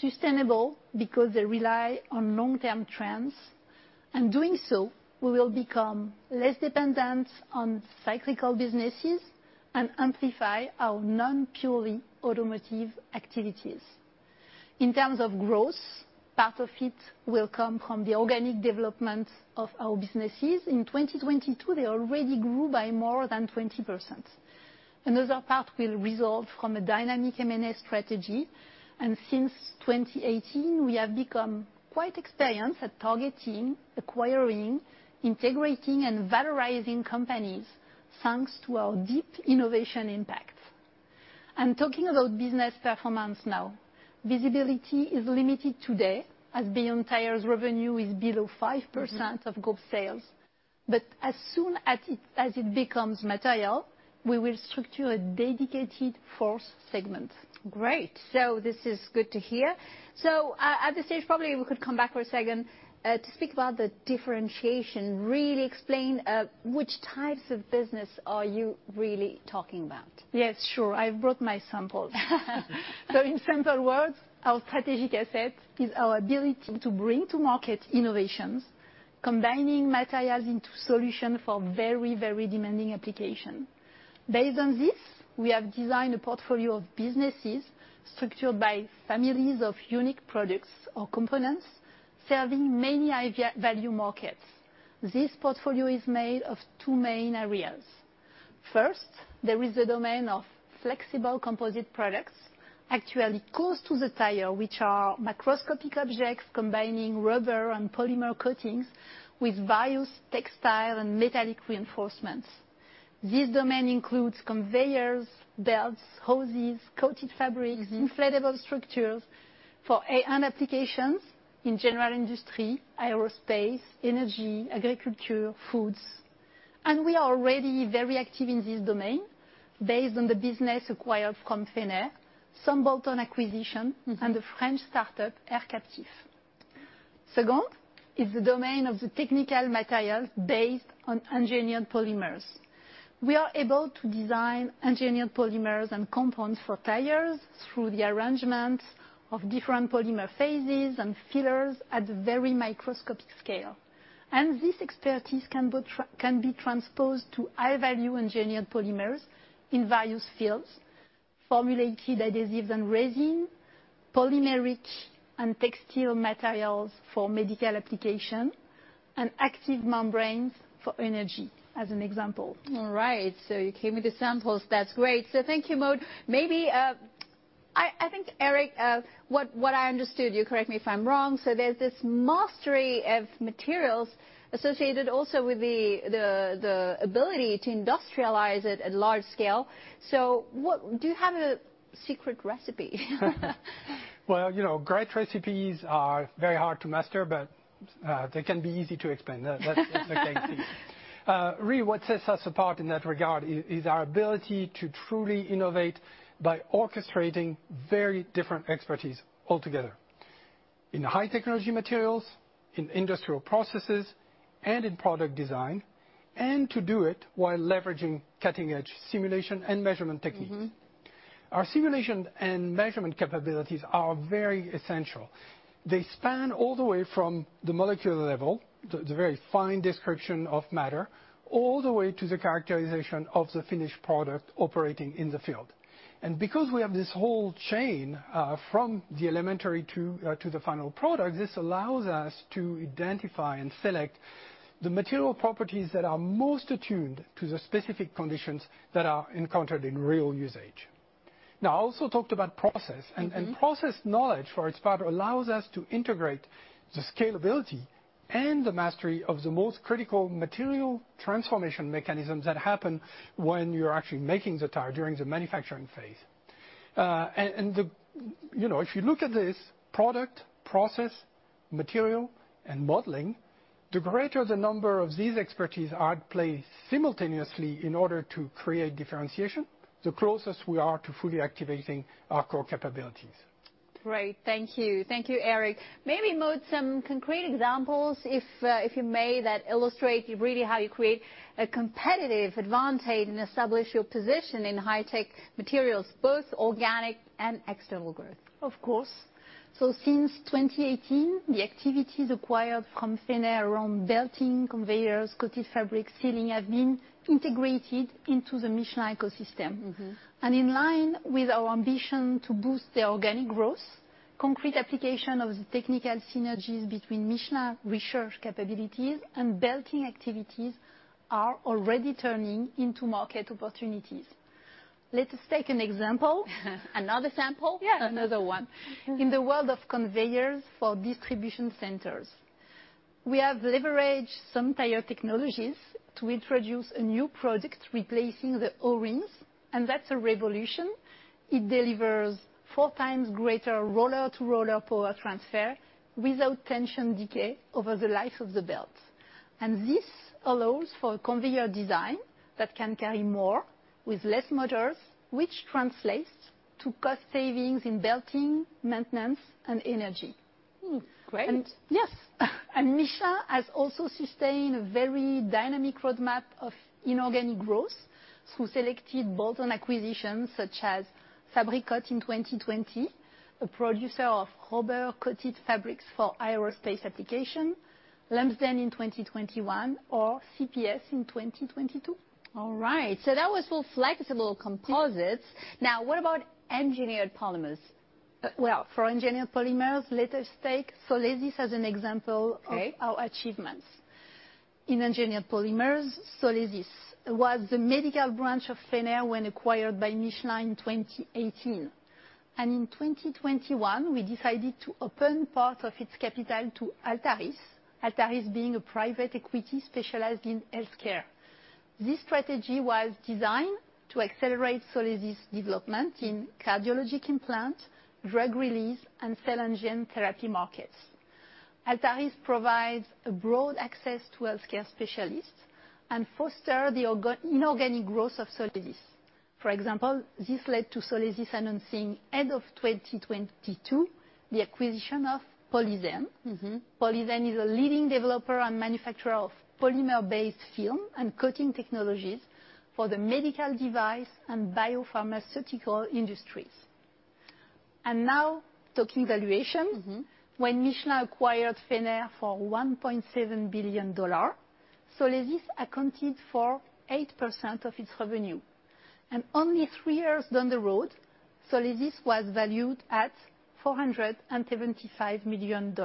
Sustainable because they rely on long-term trends. Doing so, we will become less dependent on cyclical businesses and amplify our non-purely automotive activities. In terms of growth, part of it will come from the organic development of our businesses. In 2022, they already grew by more than 20%. Another part will result from a dynamic M&A strategy. Since 2018, we have become quite experienced at targeting, acquiring, integrating, and valorizing companies, thanks to our deep innovation impact. Talking about business performance now, visibility is limited today, as Beyond Tires revenue is below 5% of group sales. As soon as it becomes material, we will structure a dedicated fourth segment. Great. This is good to hear. At this stage, probably we could come back for a second to speak about the differentiation. Really explain which types of business are you really talking about? Yes, sure. I've brought my samples. In simple words, our strategic asset is our ability to bring to market innovations, combining materials into solution for very, very demanding application. Based on this, we have designed a portfolio of businesses structured by families of unique products or components, serving many value markets. This portfolio is made of two main areas. First, there is the domain of flexible composite products, actually close to the tire, which are macroscopic objects combining rubber and polymer coatings with various textile and metallic reinforcements. This domain includes conveyors, belts, hoses, coated fabrics- Mm-hmm. Inflatable structures for end applications, in general industry, aerospace, energy, agriculture, foods. We are already very active in this domain based on the business acquired from Fenner, some built on acquisition. Mm-hmm. The French startup, AirCaptif. Second is the domain of the technical materials based on engineered polymers. We are able to design engineered polymers and compounds for tires through the arrangements of different polymer phases and fillers at a very microscopic scale. This expertise can be transposed to high-value engineered polymers in various fields, formulated adhesives and resin, polymeric and textile materials for medical application, and active membranes for energy, as an example. All right, you came with the samples, that's great. Thank you, Maude. Maybe, I think, Eric, what I understood, you correct me if I'm wrong, there's this mastery of materials associated also with the ability to industrialize it at large scale. Do you have a secret recipe? You know, great recipes are very hard to master, but they can be easy to explain. That's the same thing. Really what sets us apart in that regard is our ability to truly innovate by orchestrating very different expertise altogether. In high technology materials, in industrial processes, and in product design, and to do it while leveraging cutting-edge simulation and measurement techniques. Mm-hmm. Our simulation and measurement capabilities are very essential. They span all the way from the molecular level, the very fine description of matter, all the way to the characterization of the finished product operating in the field. Because we have this whole chain from the elementary to the final product, this allows us to identify and select the material properties that are most attuned to the specific conditions that are encountered in real usage. I also talked about. Mm-hmm. Process knowledge, for its part, allows us to integrate the scalability and the mastery of the most critical material transformation mechanisms that happen when you're actually making the tire during the manufacturing phase. You know, if you look at this product, process, material and modeling, the greater the number of these expertise at play simultaneously in order to create differentiation, the closest we are to fully activating our core capabilities. Great. Thank you. Thank you, Eric. Maybe, Maude, some concrete examples, if you may, that illustrate really how you create a competitive advantage and establish your position in High Tech Materials, both organic and external growth. Of course. since 2018, the activities acquired from Fenner around belting, conveyors, coated fabrics, sealing, have been integrated into the Michelin ecosystem. Mm-hmm. In line with our ambition to boost the organic growth, concrete application of the technical synergies between Michelin research capabilities and belting activities are already turning into market opportunities. Let us take an example. Another sample. Yes. Another one. Mm-hmm. In the world of conveyors for distribution centers, we have leveraged some tire technologies to introduce a new product replacing the O-rings, that's a revolution. It delivers four times greater roller-to-roller power transfer without tension decay over the life of the belt. This allows for conveyor design that can carry more with less motors, which translates to cost savings in belting, maintenance, and energy. Great. Yes, and Michelin has also sustained a very dynamic roadmap of inorganic growth through selected bolt-on acquisitions such as Fabricot in 2020, a producer of rubber-coated fabrics for aerospace application, Téléflow in 2021, or CPS in 2022. All right, that was for flexible composites. Now, what about engineered polymers? Well, for engineered polymers, let us take Solesis as an example. Okay of our achievements. In engineered polymers, Solesis was the medical branch of Fenner when acquired by Michelin in 2018. In 2021 we decided to open part of its capital to Altaris being a private equity specialized in healthcare. This strategy was designed to accelerate Solesis' development in cardiologic implant, drug release, and cell and gene therapy markets. Altaris provides a broad access to healthcare specialists and foster the inorganic growth of Solesis. For example, this led to Solesis announcing end of 2022 the acquisition of Polyzen. Mm-hmm. Polyzen is a leading developer and manufacturer of polymer-based film and coating technologies for the medical device and biopharmaceutical industries. Now, talking valuation... Mm-hmm ...when Michelin acquired Fenner for $1.7 billion, Solesis accounted for 8% of its revenue. Only three years down the road, Solesis was valued at $475 million.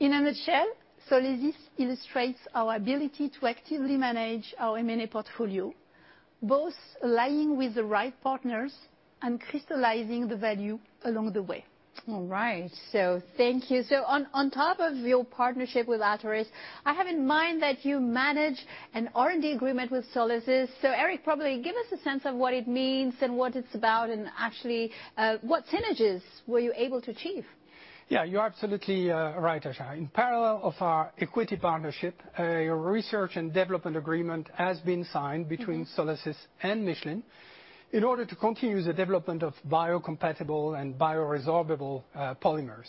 In a nutshell, Solesis illustrates our ability to actively manage our M&A portfolio, both allying with the right partners and crystallizing the value along the way. All right. Thank you. On top of your partnership with Altaris, I have in mind that you manage an R&D agreement with Solesis. Eric, probably give us a sense of what it means and what it's about, and actually, what synergies were you able to achieve? Yeah, you're absolutely right, Asha. In parallel of our equity partnership, a research and development agreement has been signed between Solesis and Michelin in order to continue the development of biocompatible and bioresorbable polymers.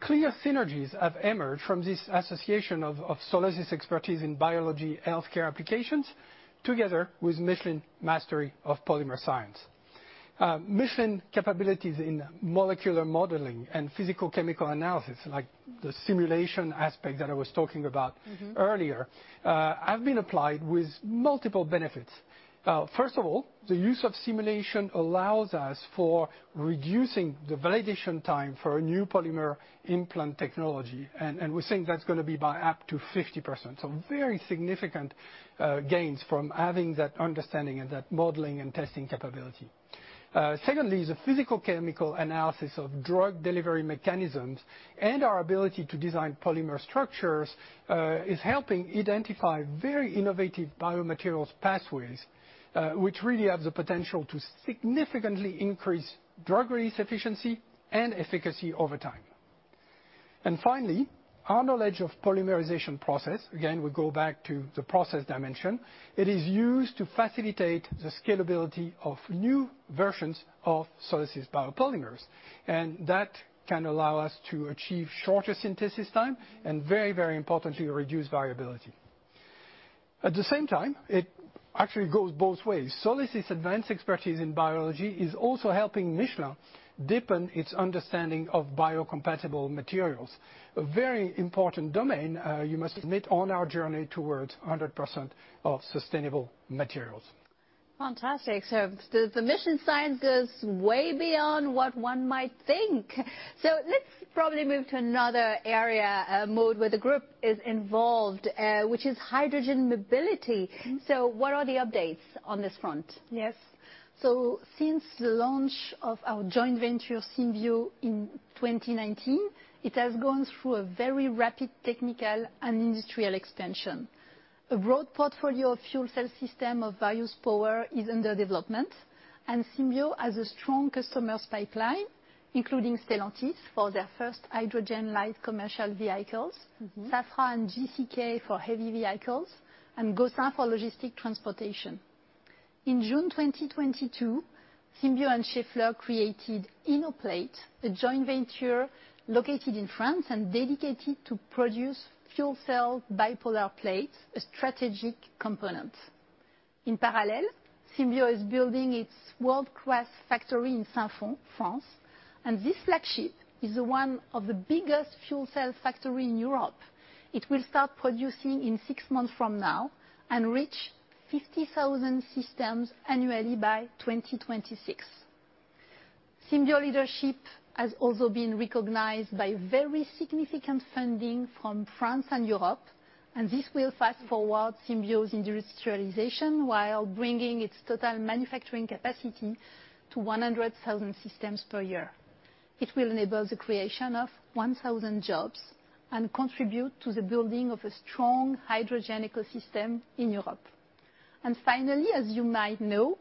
Clear synergies have emerged from this association of Solesis' expertise in biology healthcare applications together with Michelin mastery of polymer science. Michelin capabilities in molecular modeling and physical chemical analysis, like the simulation aspect that I was talking about. Mm-hmm ...earlier, have been applied with multiple benefits. First of all, the use of simulation allows us for reducing the validation time for a new polymer implant technology, and we're saying that's gonna be by up to 50%. Very significant gains from having that understanding and that modeling and testing capability. Secondly, the physical chemical analysis of drug delivery mechanisms and our ability to design polymer structures, is helping identify very innovative biomaterials pathways, which really have the potential to significantly increase drug release efficiency and efficacy over time. Finally, our knowledge of polymerization process, again, we go back to the process dimension, it is used to facilitate the scalability of new versions of Solesis biopolymers, that can allow us to achieve shorter synthesis time and very, very importantly, reduce variability. At the same time, it actually goes both ways. Solesis' advanced expertise in biology is also helping Michelin deepen its understanding of biocompatible materials. A very important domain, you must admit, on our journey towards 100% of sustainable materials. Fantastic. The mission science goes way beyond what one might think. Let's probably move to another area, Maude, where the group is involved, which is hydrogen mobility. Mm-hmm. What are the updates on this front? Since the launch of our joint venture, Symbio, in 2019, it has gone through a very rapid technical and industrial expansion. A broad portfolio of fuel cell system of various power is under development, and Symbio has a strong customer pipeline, including Stellantis for their first hydrogen light commercial vehicles. Mm-hmm ...Safran and GCK for heavy vehicles, and GoSAfe for logistic transportation. In June 2022, Symbio and Schaeffler created Innoplate, a joint venture located in France and dedicated to produce fuel cell bipolar plates, a strategic component. In parallel, Symbio is building its world-class factory in Saint-Fons, France, and this flagship is the one of the biggest fuel cell factory in Europe. It will start producing in six months from now and reach 50,000 systems annually by 2026. Symbio leadership has also been recognized by very significant funding from France and Europe, and this will fast-forward Symbio's industrialization while bringing its total manufacturing capacity to 100,000 systems per year. It will enable the creation of 1,000 jobs and contribute to the building of a strong hydrogen ecosystem in Europe. Finally, as you might know,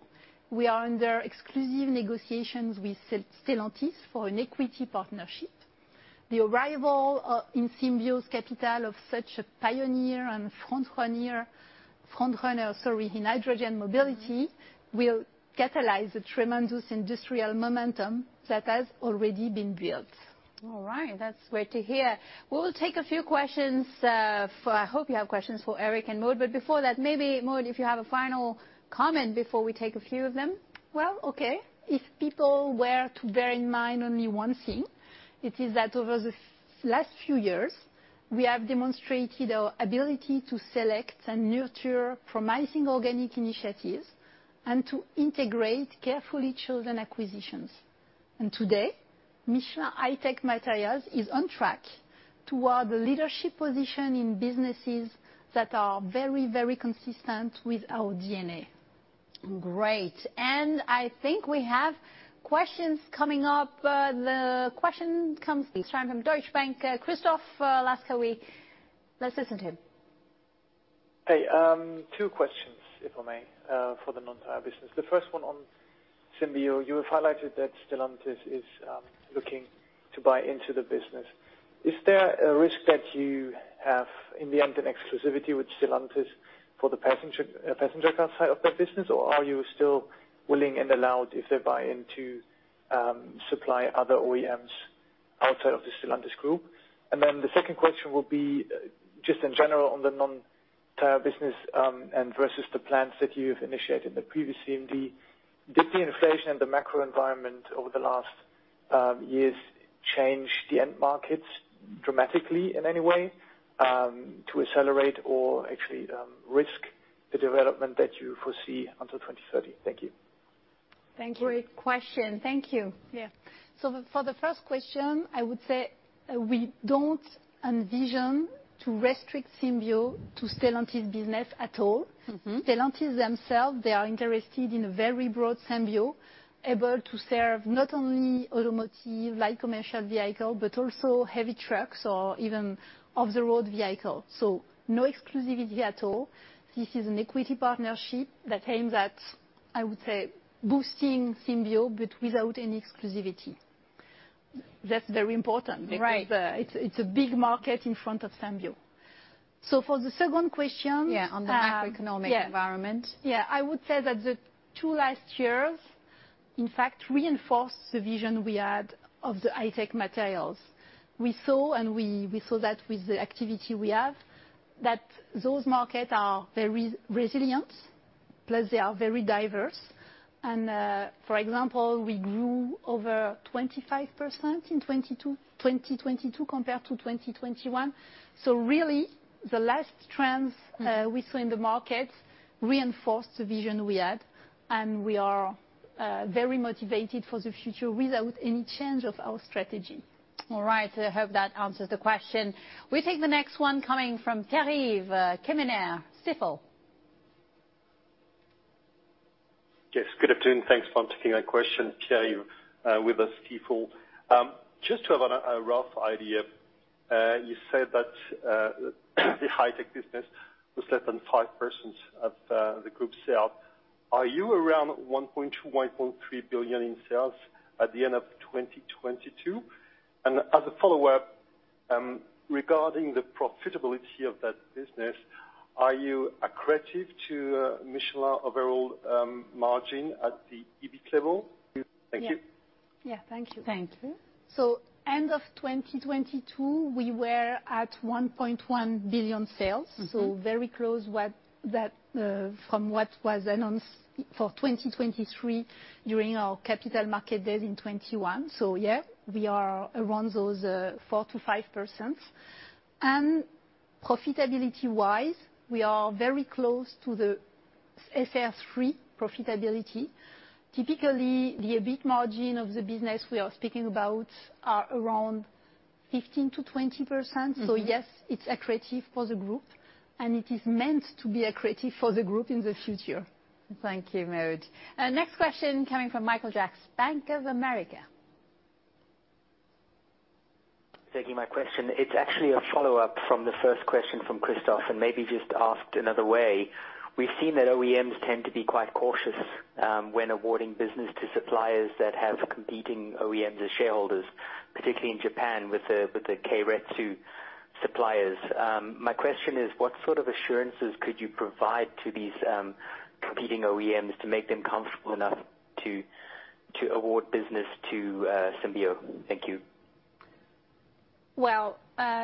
we are under exclusive negotiations with Stellantis for an equity partnership. The arrival, in Symbio's capital of such a pioneer and frontrunner, sorry, in hydrogen mobility will catalyze a tremendous industrial momentum that has already been built. All right. That's great to hear. We'll take a few questions, for... I hope you have questions for Eric and Maude. Before that, maybe, Maude, if you have a final comment before we take a few of them. Well, okay. If people were to bear in mind only one thing, it is that over the last few years, we have demonstrated our ability to select and nurture promising organic initiatives and to integrate carefully chosen acquisitions. Today, Michelin High Tech Materials is on track toward the leadership position in businesses that are very, very consistent with our DNA. Great. I think we have questions coming up. The question comes this time from Deutsche Bank, Christoph Laskawi. Let's listen to him. Hey. two questions, if I may, for the non-tire business. The first one on Symbio. You have highlighted that Stellantis is looking to buy into the business. Is there a risk that you have in the end an exclusivity with Stellantis for the passenger car side of that business, or are you still willing and allowed, if they buy in, to supply other OEMs outside of the Stellantis group? The second question will be, just in general, on the non-tire business, and versus the plans that you've initiated in the previous CMV, did the inflation and the macro environment over the last years change the end markets dramatically in any way, to accelerate or actually, risk the development that you foresee until 2030? Thank you. Thank you. Great question. Thank you. Yeah. For the first question, I would say we don't envision to restrict Symbio to Stellantis business at all. Mm-hmm. Stellantis themselves, they are interested in a very broad Symbio, able to serve not only automotive, light commercial vehicle, but also heavy trucks or even off-the-road vehicle. No exclusivity at all. This is an equity partnership that aims at, I would say, boosting Symbio, but without any exclusivity. That's very important. Right... because it's a big market in front of Symbio. For the second question. Yeah, on the macroeconomic environment. Yeah. Yeah. I would say that the two last years, in fact, reinforced the vision we had of the High Tech Materials. We saw that with the activity we have, that those markets are very resilient, plus they are very diverse and, for example, we grew over 25% in 2022 compared to 2021. Really, the last trends we saw in the markets reinforced the vision we had, and we are very motivated for the future without any change of our strategy. All right. I hope that answers the question. We take the next one coming from Pierre-Yves Quemener, Stifel. Yes, good afternoon. Thanks for taking my question, Pierre-Yves, with Stifel. Just to have a rough idea, you said that the high-tech business was less than 5% of the group sale. Are you around 1.2 billion-1.3 billion in sales at the end of 2022? As a follow-up, regarding the profitability of that business, are you accretive to Michelin overall margin at the EBIT level? Thank you. Yeah. Yeah. Thank you. Thank you. End of 2022, we were at 1.1 billion sales. Mm-hmm. Very close what, that, from what was announced for 2023 during our Capital Markets Day in 2021. Yeah, we are around those, 4%-5%. Profitability-wise, we are very close to the RS3 profitability. Typically, the EBIT margin of the business we are speaking about are around 15%-20%. Mm-hmm. Yes, it's accretive for the group, and it is meant to be accretive for the group in the future. Thank you, Maude. next question coming from Michael Jacks, Bank of America. Thank you, my question, it's actually a follow-up from the first question from Christoph, and maybe just asked another way. We've seen that OEMs tend to be quite cautious when awarding business to suppliers that have competing OEMs as shareholders, particularly in Japan with the Keiretsu suppliers. My question is, what sort of assurances could you provide to these competing OEMs to make them comfortable enough to award business to Symbio? Thank you. Well,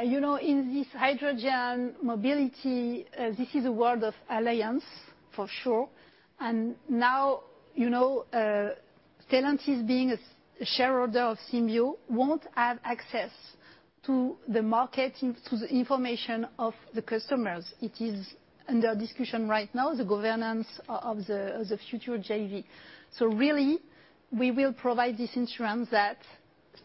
you know, in this hydrogen mobility, this is a world of alliance, for sure. Now, you know, Stellantis being a shareholder of Symbio won't have access to the information of the customers. It is under discussion right now, the governance of the future JV. Really, we will provide this insurance that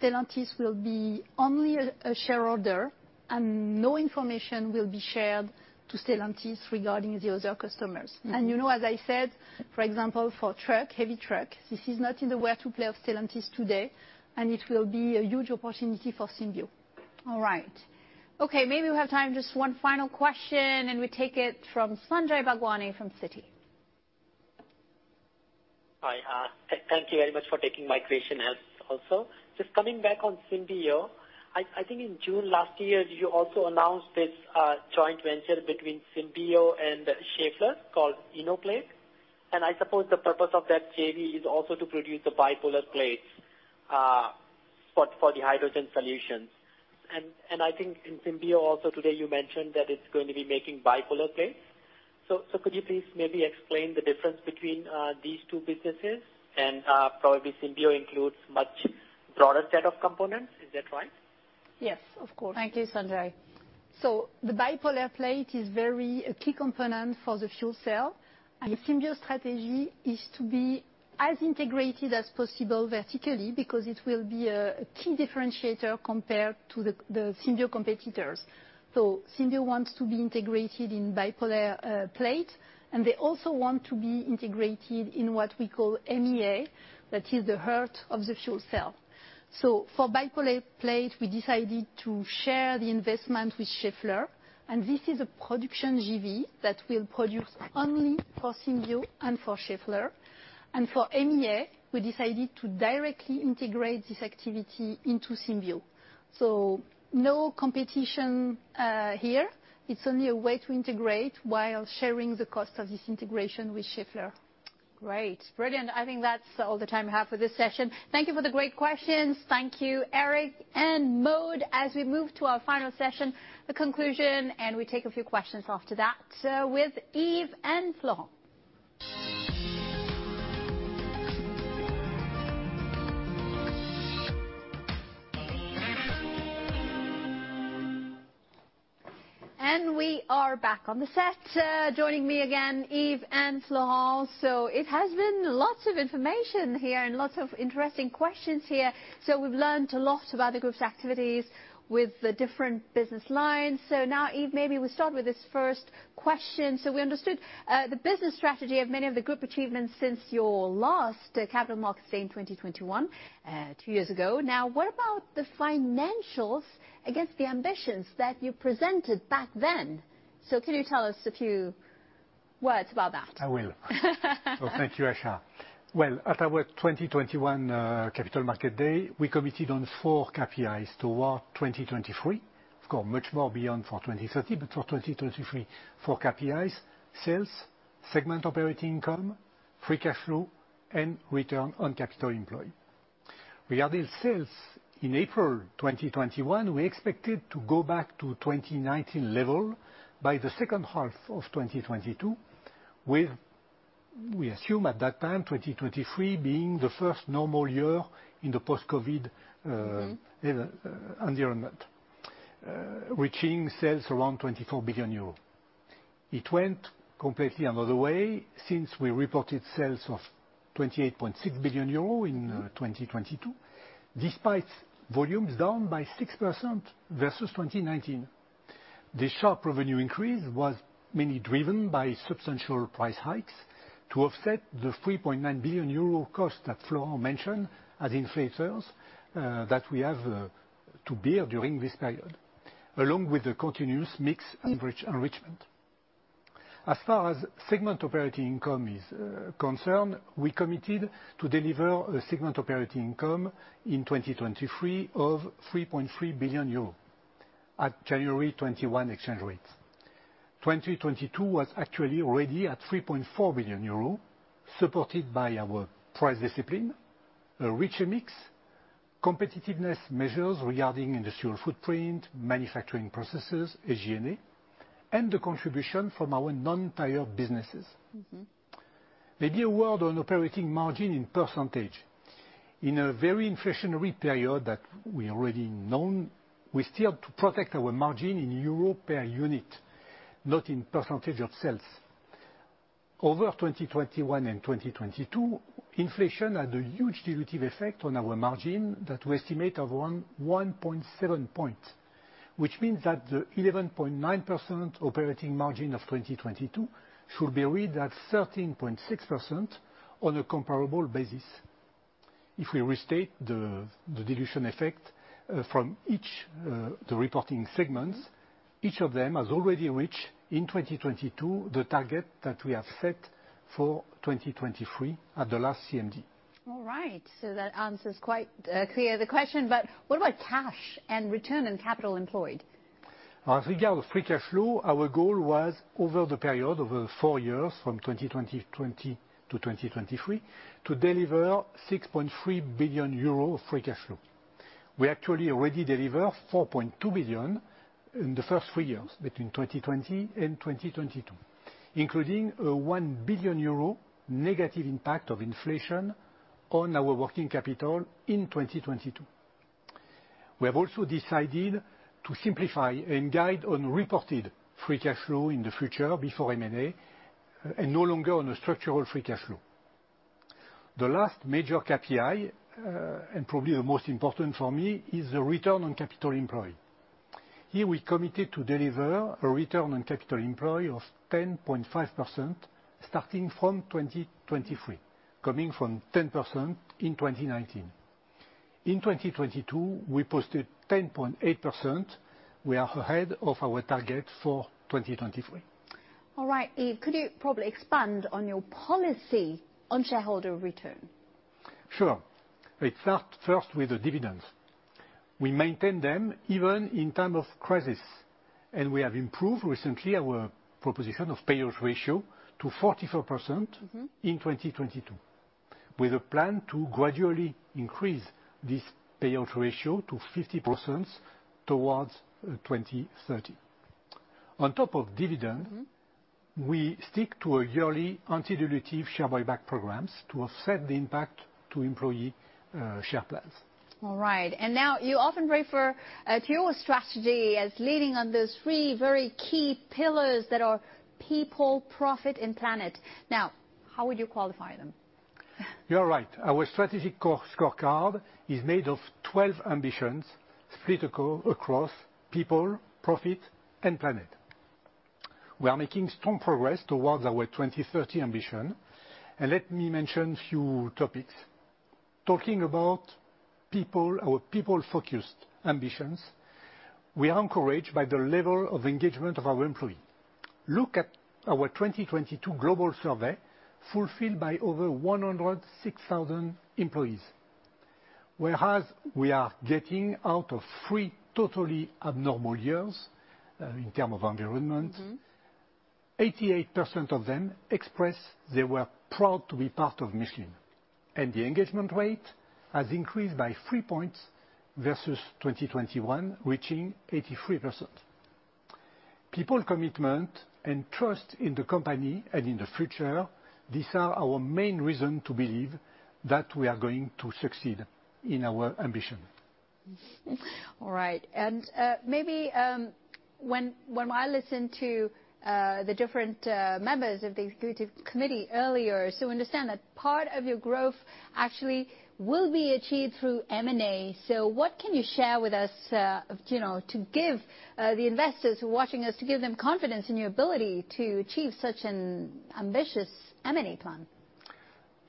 Stellantis will be only a shareholder, and no information will be shared to Stellantis regarding the other customers. Mm-hmm. You know, as I said, for example, for truck, heavy truck, this is not in the where to play of Stellantis today, and it will be a huge opportunity for Symbio. All right. Okay, maybe we have time just one final question, and we take it from Sanjay Bhagwani from Citi. Thank you very much for taking my question also. Just coming back on Symbio, I think in June last year you also announced this joint venture between Symbio and Schaeffler called Innoplate. I suppose the purpose of that JV is also to produce the bipolar plates for the hydrogen solutions. I think in Symbio also today you mentioned that it's going to be making bipolar plates. Could you please maybe explain the difference between these two businesses and probably Symbio includes much broader set of components. Is that right? Yes, of course. Thank you, Sanjay. The bipolar plate is a key component for the fuel cell, and the Symbio strategy is to be as integrated as possible vertically because it will be a key differentiator compared to the Symbio competitors. Symbio wants to be integrated in bipolar plate, and they also want to be integrated in what we call MEA, that is the heart of the fuel cell. For bipolar plate, we decided to share the investment with Schaeffler, and this is a production JV that will produce only for Symbio and for Schaeffler. And for MEA, we decided to directly integrate this activity into Symbio. No competition here, it's only a way to integrate while sharing the cost of this integration with Schaeffler. Great. Brilliant. I think that's all the time we have for this session. Thank you for the great questions. Thank you, Eric and Maude. As we move to our final session, the conclusion, and we take a few questions after that with Yves and Florent. We are back on the set, joining me again, Yves and Florent. It has been lots of information here and lots of interesting questions here. We've learned a lot about the group's activities with the different business lines. Now, Yves, maybe we start with this first question. We understood the business strategy of many of the group achievements since your last Capital Markets Day in 2021, two years ago. Now, what about the financials against the ambitions that you presented back then? Can you tell us a few words about that? I will. Thank you, Asha. Well, at our 2021 Capital Markets Day, we committed on 4 KPIs toward 2023. Of course, much more beyond for 2030, but for 2023, 4 KPIs, sales, segment operating income, free cash flow, and return on capital employed. Regarding sales in April 2021, we expected to go back to 2019 level by the second half of 2022. We assume at that time, 2023 being the first normal year in the post-COVID. Mm-hmm... environment, reaching sales around 24 billion euros. It went completely another way since we reported sales of 28.6 billion euro in 2022, despite volumes down by 6% versus 2019. The sharp revenue increase was mainly driven by substantial price hikes to offset the 3.9 billion euro cost that Florent mentioned as inflators that we have to bear during this period, along with the continuous mix enrichment. As far as segment operating income is concerned, we committed to deliver a segment operating income in 2023 of 3.3 billion euro at January 21 exchange rates. 2022 was actually already at 3.4 billion euro, supported by our price discipline, a richer mix, competitiveness measures regarding industrial footprint, manufacturing processes, SG&A, and the contribution from our non-tire businesses. Mm-hmm. Maybe a word on operating margin in percentage. In a very inflationary period that we already known, we still to protect our margin in euro per unit, not in % of sales. Over 2021 and 2022, inflation had a huge dilutive effect on our margin that we estimate of around 1.7 points, which means that the 11.9% operating margin of 2022 should be read at 13.6% on a comparable basis. If we restate the dilution effect from each the reporting segments- Mm-hmm... each of them has already reached in 2022 the target that we have set for 2023 at the last CMD. All right. That answers quite clear the question, but what about cash and return on capital employed? As regard to free cash flow, our goal was over the period, over the four years from 2020 to 2023, to deliver 6.3 billion euro free cash flow. We actually already deliver 4.2 billion in the first three years between 2020 and 2022, including a 1 billion euro negative impact of inflation on our working capital in 2022. We have also decided to simplify and guide on reported free cash flow in the future before M&A and no longer on a structural free cash flow. The last major KPI, and probably the most important for me, is the return on capital employed. Here, we committed to deliver a return on capital employed of 10.5% starting from 2023, coming from 10% in 2019. In 2022, we posted 10.8%. We are ahead of our target for 2023. All right. Yves, could you probably expand on your policy on shareholder return? Sure. We start first with the dividends. We maintain them even in time of crisis. We have improved recently our proposition of payout ratio to 44%. Mm-hmm... in 2022, with a plan to gradually increase this payout ratio to 50% towards 2030. On top of Mm-hmm... we stick to a yearly anti-dilutive share buyback programs to offset the impact to employee share plans. All right. Now you often refer to your strategy as leaning on those three very key pillars that are people, profit, and planet. How would you qualify them? You're right. Our strategic co-scorecard is made of 12 ambitions split across people, profit, and planet. We are making strong progress towards our 2030 ambition. Let me mention a few topics. Talking about people, our people-focused ambitions, we are encouraged by the level of engagement of our employee. Look at our 2022 global survey fulfilled by over 106,000 employees. Whereas we are getting out of three totally abnormal years, in term of environment. Mm-hmm... 88% of them expressed they were proud to be part of Michelin. The engagement rate has increased by 3 points versus 2021, reaching 83%. People commitment and trust in the company and in the future, these are our main reason to believe that we are going to succeed in our ambition. All right. Maybe, when I listen to the different members of the executive committee earlier, so understand that part of your growth actually will be achieved through M&A. What can you share with us, you know, to give the investors who are watching us, to give them confidence in your ability to achieve such an ambitious M&A plan?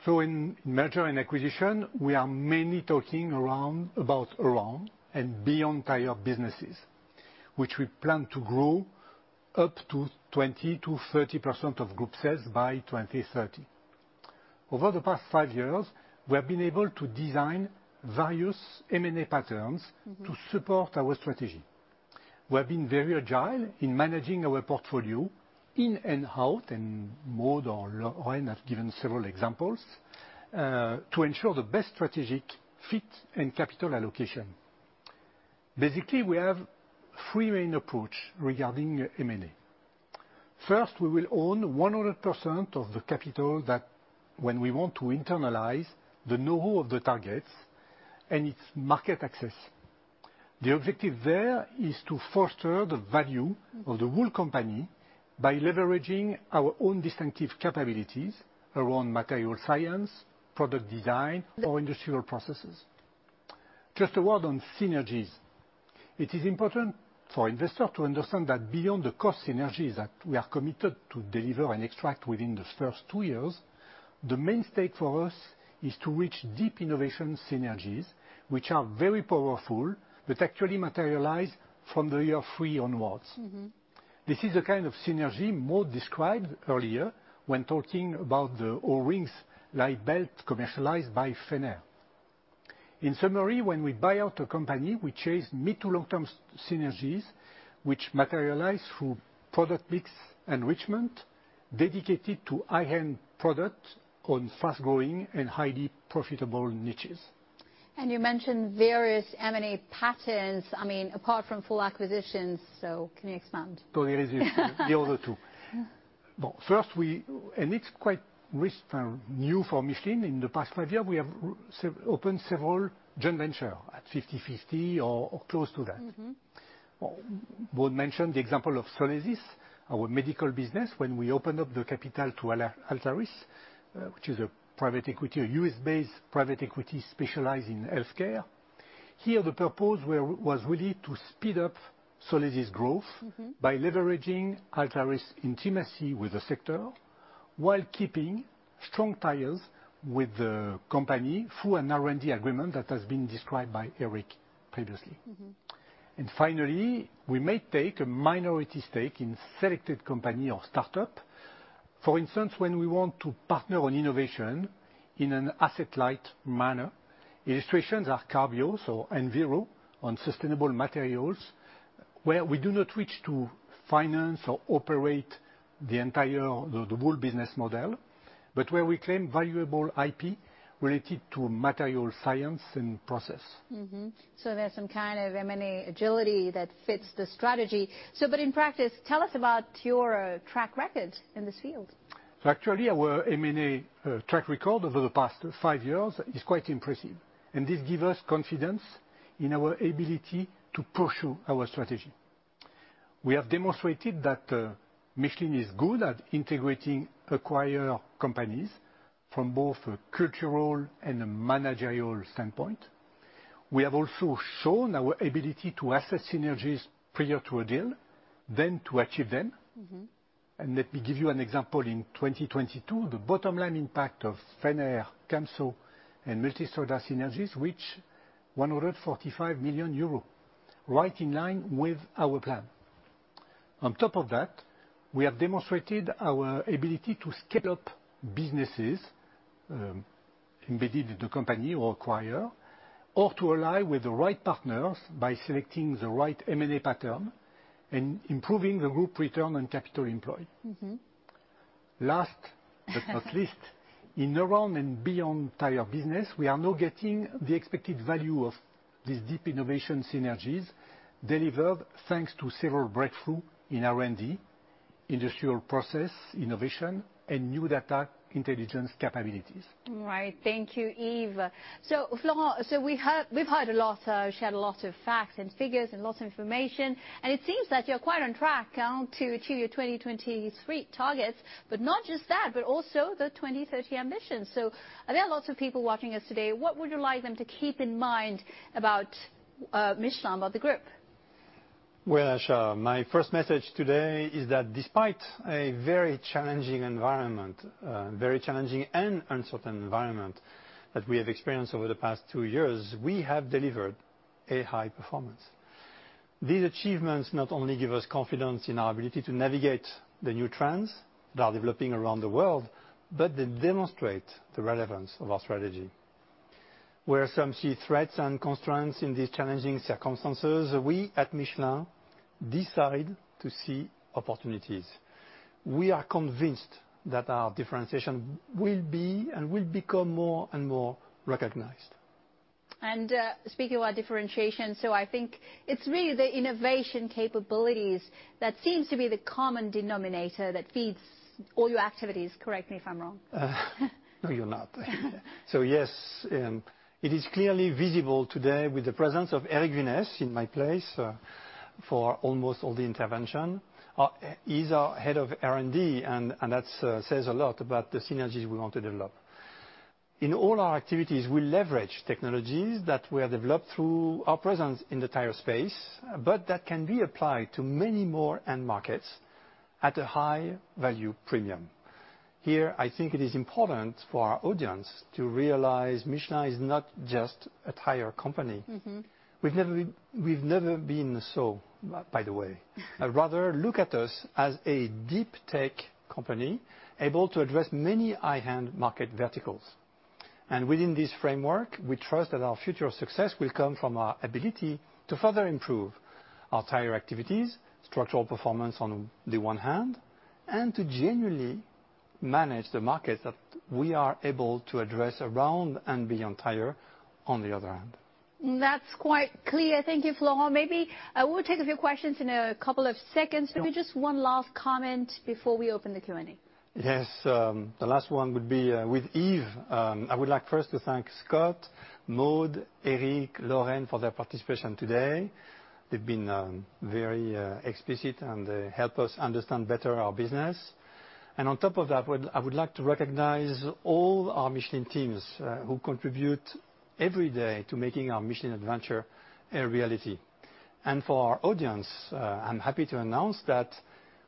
In merger and acquisition, we are mainly talking about around and beyond tire businesses, which we plan to grow up to 20%-30% of group sales by 2030. Over the past five years, we have been able to design various M&A patterns. Mm-hmm... to support our strategy. We have been very agile in managing our portfolio in and out, and Maude or Lorraine have given several examples to ensure the best strategic fit and capital allocation. Basically, we have three main approach regarding M&A. First, we will own 100% of the capital that when we want to internalize the know of the targets and its market access. The objective there is to foster the value of the whole company by leveraging our own distinctive capabilities around material science, product design- Yes... or industrial processes. Just a word on synergies. It is important for investor to understand that beyond the cost synergies that we are committed to deliver and extract within the first two years, the main stake for us is to reach deep innovation synergies, which are very powerful but actually materialize from the year three onwards. Mm-hmm. This is the kind of synergy Maude described earlier when talking about the O-rings, like belt commercialized by Fenner. In summary, when we buy out a company, we chase mid to long-term synergies which materialize through product mix enrichment dedicated to high-end product on fast-growing and highly profitable niches. You mentioned various M&A patterns, I mean, apart from full acquisitions, so can you expand? There is the other 2. No. First, it's quite recent, new for Michelin. In the past five years, we have opened several joint venture at 50/50 or close to that. Mm-hmm. Well, Maude mentioned the example of Solesis, our medical business, when we opened up the capital to Altaris, which is a private equity, a U.S.-based private equity specialized in healthcare. Here, the purpose was really to speed up Solesis growth. Mm-hmm... by leveraging Altaris intimacy with the sector while keeping strong ties with the company through an R&D agreement that has been described by Eric previously. Mm-hmm. Finally, we may take a minority stake in selected company or startup. For instance, when we want to partner on innovation in an asset light manner. Illustrations are Carbios or Enviro on sustainable materials, where we do not reach to finance or operate the entire, the whole business model, but where we claim valuable IP related to material science and process. Mm-hmm. There's some kind of M&A agility that fits the strategy. But in practice, tell us about your track record in this field. Actually, our M&A track record over the past five years is quite impressive, and this give us confidence in our ability to pursue our strategy. We have demonstrated that Michelin is good at integrating acquire companies from both a cultural and a managerial standpoint. We have also shown our ability to asset synergies prior to a deal, then to achieve them. Mm-hmm. Let me give you an example. In 2022, the bottom line impact of Fenner, Camso, and Multistrada synergies reached 145 million euros, right in line with our plan. On top of that, we have demonstrated our ability to scale up businesses, embedded in the company or acquire, or to ally with the right partners by selecting the right M&A pattern and improving the group return on capital employed. Mm-hmm. Last, but not least, in around and beyond tire business, we are now getting the expected value of these deep innovation synergies delivered thanks to several breakthrough in R&D, industrial process innovation, and new data intelligence capabilities. Right. Thank you, Yves. Florent, we've heard a lot, shared a lot of facts and figures and lots of information, and it seems that you're quite on track to achieve your 2020 suite targets, but not just that, but also the 2030 ambitions. There are lots of people watching us today, what would you like them to keep in mind about Michelin, about the group? Well, sure. My first message today is that despite a very challenging environment, very challenging and uncertain environment that we have experienced over the past two years, we have delivered a high performance. These achievements not only give us confidence in our ability to navigate the new trends that are developing around the world, but they demonstrate the relevance of our strategy. Where some see threats and constraints in these challenging circumstances, we at Michelin decide to see opportunities. We are convinced that our differentiation will be and will become more and more recognized. Speaking about differentiation, I think it's really the innovation capabilities that seems to be the common denominator that feeds all your activities. Correct me if I'm wrong. No, you're not. Yes, it is clearly visible today with the presence of Eric Vinesse in my place for almost all the intervention. He's our head of R&D, and that says a lot about the synergies we want to develop. In all our activities, we leverage technologies that were developed through our presence in the tire space, but that can be applied to many more end markets at a high value premium. Here, I think it is important for our audience to realize Michelin is not just a tire company. Mm-hmm. We've never been so, by the way. Rather, look at us as a deep tech company able to address many high-end market verticals. Within this framework, we trust that our future success will come from our ability to further improve our tire activities, structural performance on the one hand, and to genuinely manage the markets that we are able to address around and be entire on the other hand. That's quite clear. Thank you, Florent. Maybe, we'll take a few questions in a couple of seconds. Sure. Maybe just one last comment before we open the Q&A. Yes, the last one would be with Yves. I would like first to thank Scott, Maude, Eric, Lorraine for their participation today. They've been very explicit and help us understand better our business. On top of that, I would like to recognize all our Michelin teams who contribute every day to making our Michelin adventure a reality. For our audience, I'm happy to announce that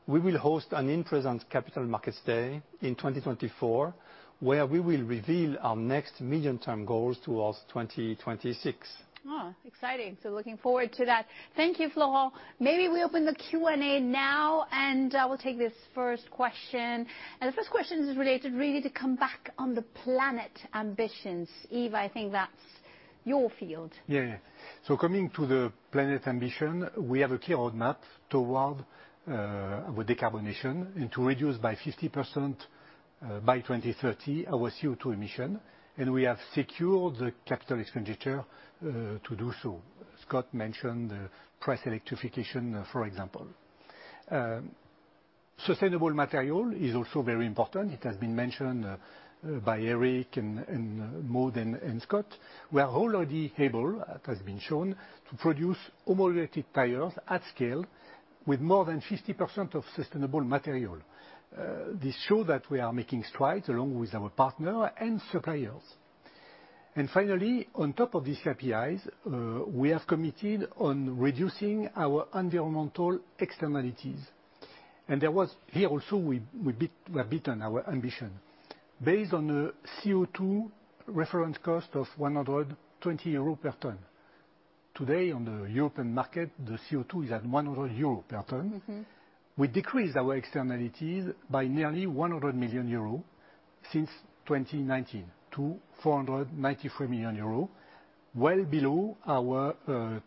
we will host an in-present Capital Markets Day in 2024, where we will reveal our next medium-term goals towards 2026. Oh, exciting. Looking forward to that. Thank you, Florent. Maybe we open the Q&A now, I will take this first question. The first question is related really to come back on the planet ambitions. Yves, I think that's your field. Coming to the planet ambition, we have a clear roadmap toward with decarbonization and to reduce by 50% by 2030 our CO2 emission, and we have secured the capital expenditure to do so. Scott mentioned press electrification, for example. Sustainable material is also very important. It has been mentioned by Eric and Maude and Scott. We are already able, as has been shown, to produce homologated tires at scale with more than 50% of sustainable material. This show that we are making strides along with our partner and suppliers. Finally, on top of these KPIs, we have committed on reducing our environmental externalities. Here also we have bitten our ambition. Based on a CO2 reference cost of 120 euro per ton. Today, on the European market, the CO2 is at 100 euro per ton. Mm-hmm. We decreased our externalities by nearly 100 million euro since 2019 to 493 million euro, well below our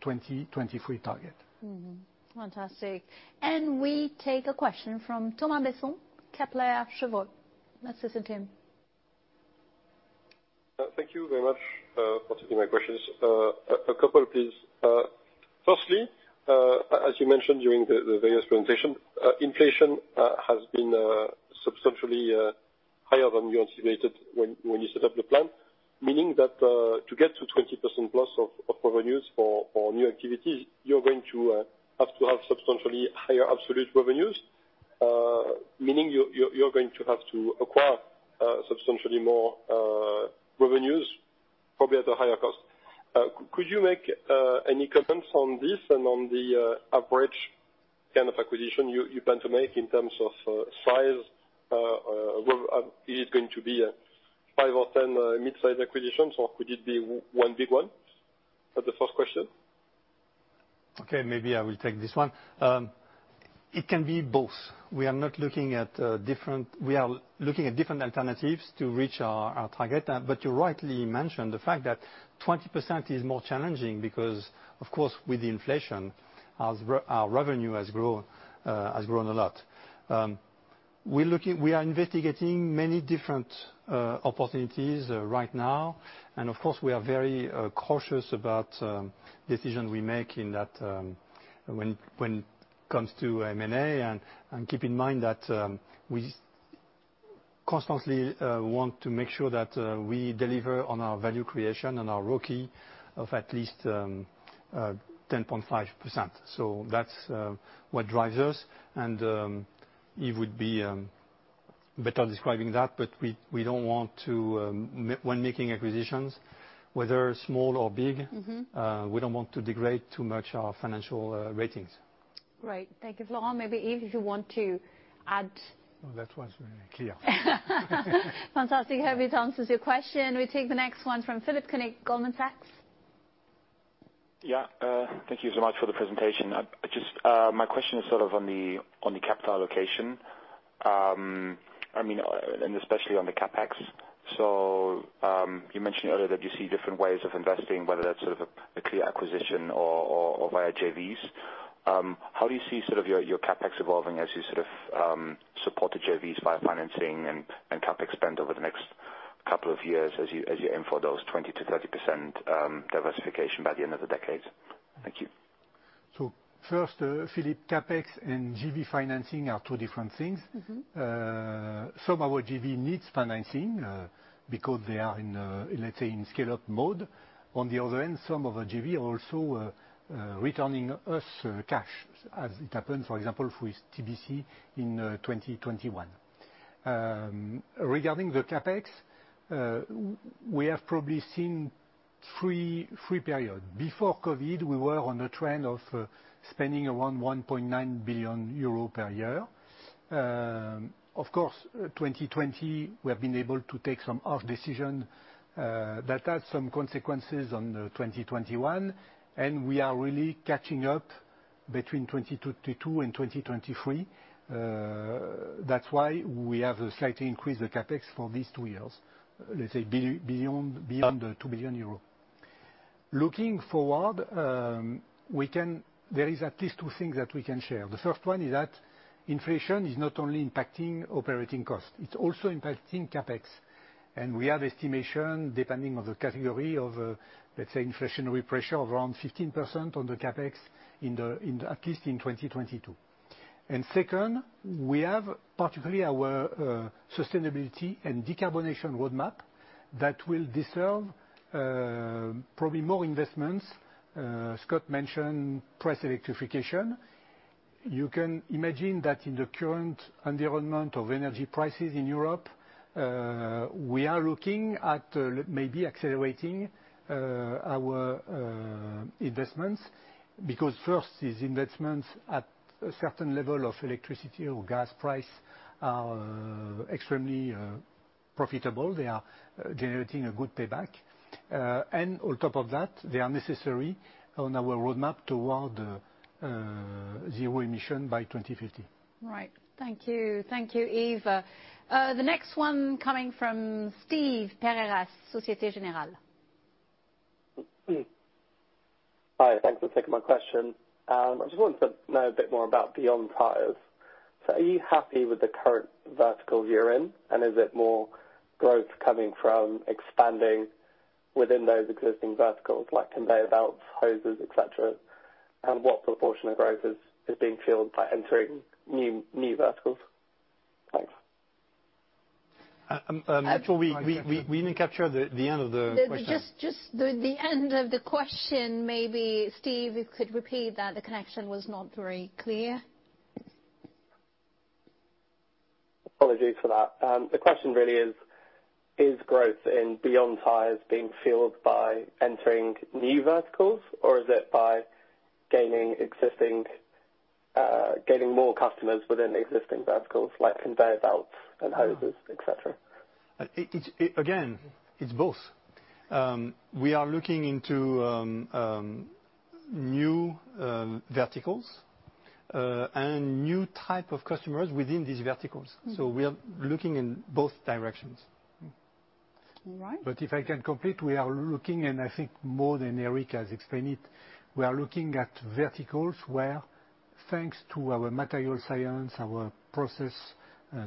2023 target. Mm-hmm. Fantastic. We take a question from Thomas Besson, Kepler Cheuvreux. Let's listen to him. Thank you very much for taking my questions. A couple, please. Firstly, as you mentioned during the various presentation, inflation has been substantially higher than you anticipated when you set up the plan, meaning that to get to 20%+ of revenues for new activities, you're going to have to have substantially higher absolute revenues, meaning you're going to have to acquire substantially more revenues, probably at a higher cost. Could you make any comments on this and on the average kind of acquisition you plan to make in terms of size, is it going to be five or 10 mid-sized acquisitions, or could it be 1 big one? That's the first question. Okay, maybe I will take this one. It can be both. We are not looking at different alternatives to reach our target. You rightly mentioned the fact that 20% is more challenging because, of course, with the inflation, our revenue has grown a lot. We are investigating many different opportunities right now, and of course, we are very cautious about decision we make in that when comes to M&A. Keep in mind that we constantly want to make sure that we deliver on our value creation and our ROCE of at least 10.5%. That's what drives us, and Yves would be better describing that. We don't want to, when making acquisitions, whether small or big. Mm-hmm ...we don't want to degrade too much our financial ratings. Thank you, Florent. Maybe, Yves, you want to add? No, that was very clear. Fantastic. Hope it answers your question. We take the next one from Philipp Koenig, Goldman Sachs. Yeah, thank you so much for the presentation. My question is sort of on the, on the capital allocation, I mean, and especially on the CapEx. You mentioned earlier that you see different ways of investing, whether that's sort of a clear acquisition or, or via JVs. How do you see sort of your CapEx evolving as you sort of, support the JVs via financing and CapEx spend over the next couple of years as you, as you aim for those 20%-30% diversification by the end of the decade? Thank you. First, Philipp, CapEx and JV financing are two different things. Mm-hmm. Some of our JV needs financing because they are in, let's say, in scale-up mode. On the other end, some of our JV are also returning us cash, as it happened, for example, with TBC in 2021. Regarding the CapEx, we have probably seen three period. Before COVID, we were on a trend of spending around 1.9 billion euro per year. Of course, 2020, we have been able to take some hard decision that had some consequences on 2021, and we are really catching up between 2022 and 2023. That's why we have slightly increased the CapEx for these two years, let's say beyond 2 billion euros. Looking forward, there is at least 2 things that we can share. The first one is that inflation is not only impacting operating costs, it's also impacting CapEx. We have estimation, depending on the category of, let's say, inflationary pressure of around 15% on the CapEx in the, at least in 2022. Second, we have particularly our sustainability and decarbonation roadmap that will deserve probably more investments. Scott mentioned press electrification. You can imagine that in the current environment of energy prices in Europe, we are looking at maybe accelerating our investments. First is investments at a certain level of electricity or gas price are extremely profitable. They are generating a good payback. On top of that, they are necessary on our roadmap toward zero emission by 2050. Right. Thank you. Thank you, Yves. The next one coming from Steve Carreira, Société Générale. Hi, thanks for taking my question. I just wanted to know a bit more about Beyond Tires. Are you happy with the current verticals you're in, and is it more growth coming from expanding within those existing verticals, like conveyor belts, hoses, et cetera? What proportion of growth is being fueled by entering new verticals? Thanks. Actually we didn't capture the end of the question. The just the end of the question, maybe Steve could repeat that. The connection was not very clear. Apologies for that. The question really is growth in Beyond Tires being fueled by entering new verticals, or is it by gaining more customers within the existing verticals like conveyor belts and hoses, et cetera? It again, it's both. We are looking into new verticals and new type of customers within these verticals. We are looking in both directions. All right. If I can complete, we are looking, and I think more than Eric has explained it, we are looking at verticals where, thanks to our material science, our process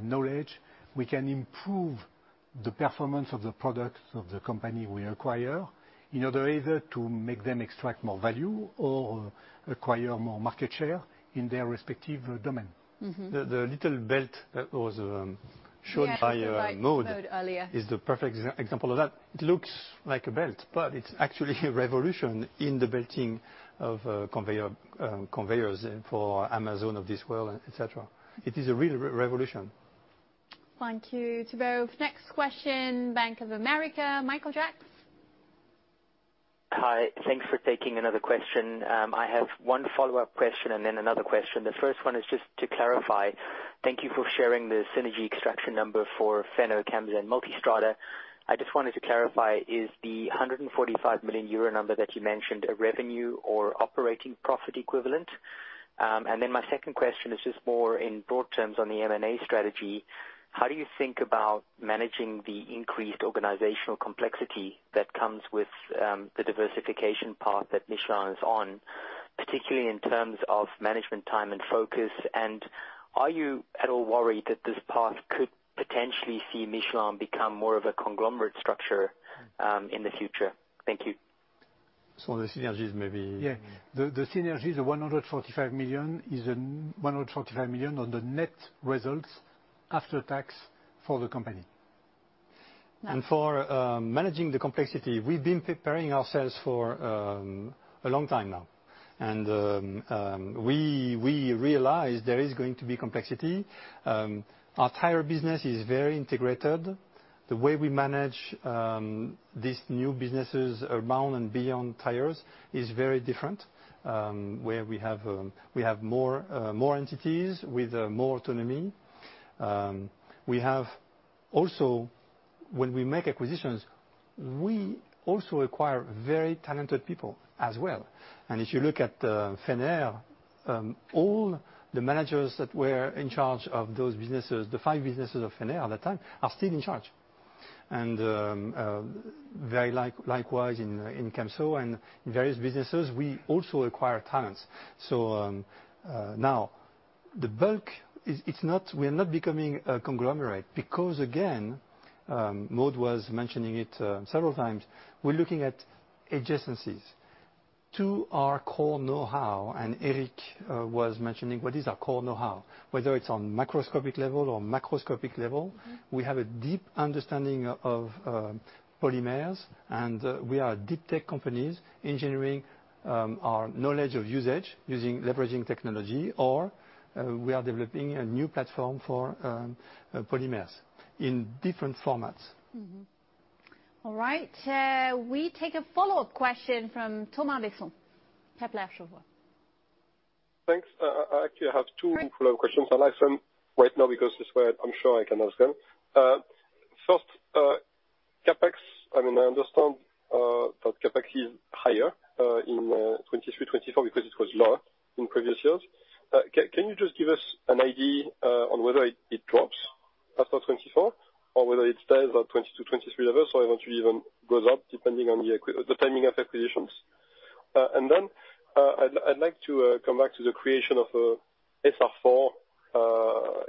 knowledge, we can improve the performance of the products of the company we acquire in order either to make them extract more value or acquire more market share in their respective domain. Mm-hmm. The little belt that was shown. Yeah, by Maude earlier. ...Maude is the perfect example of that. It looks like a belt, but it's actually a revolution in the belting of conveyor, conveyors for Amazon of this world, et cetera. It is a real revolution. Thank you, Thibault. Next question, Bank of America, Michael Jacks. Hi. Thanks for taking another question. I have one follow-up question and then another question. The first one is just to clarify, thank you for sharing the synergy extraction number for Fenner, Camso, and Multistrada. I just wanted to clarify, is the 145 million euro number that you mentioned a revenue or operating profit equivalent? My second question is just more in broad terms on the M&A strategy. How do you think about managing the increased organizational complexity that comes with the diversification path that Michelin is on, particularly in terms of management time and focus? Are you at all worried that this path could potentially see Michelin become more of a conglomerate structure in the future? Thank you. the synergies maybe-. Yeah. The synergies of 145 million is in 145 million on the net results after tax for the company. For managing the complexity, we've been preparing ourselves for a long time now. We realize there is going to be complexity. Our tire business is very integrated. The way we manage these new businesses around and beyond tires is very different, where we have more entities with more autonomy. We have also, when we make acquisitions, we also acquire very talented people as well. If you look at Fenner, all the managers that were in charge of those businesses, the five businesses of Fenner at that time, are still in charge. Very likewise in Camso and various businesses, we also acquire talents. Now the bulk is, it's not, we're not becoming a conglomerate because again, Maude was mentioning it several times. We're looking at adjacencies to our core knowhow, and Eric was mentioning what is our core knowhow. Whether it's on microscopic level or macroscopic level, we have a deep understanding of polymers, and we are deep tech companies engineering our knowledge of usage using leveraging technology, or we are developing a new platform for polymers in different formats. All right. We take a follow-up question from Thomas Besson, Kepler Cheuvreux. Thanks. Actually, I have two follow-up questions. I'll ask them right now because this way I'm sure I can ask them. First, I mean, I understand that CapEx is higher in 2023, 2024 because it was lower in previous years. Can you just give us an idea on whether it drops after 2024 or whether it stays at 2022, 2023 level, so eventually even goes up depending on the timing of acquisitions? Then, I'd like to come back to the creation of SR4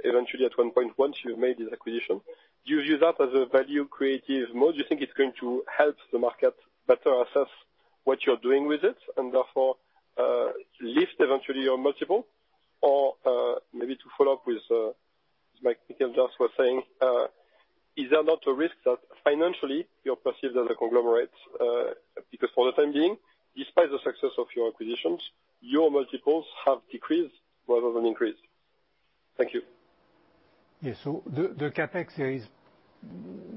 eventually at one point once you've made this acquisition. Do you view that as a value creative mode? Do you think it's going to help the market better assess what you're doing with it, and therefore, lift eventually your multiple? Maybe to follow up with, like Michael Jacks was saying, is there not a risk that financially you're perceived as a conglomerate? For the time being, despite the success of your acquisitions, your multiples have decreased rather than increased. Thank you. Yeah. The, the CapEx here is,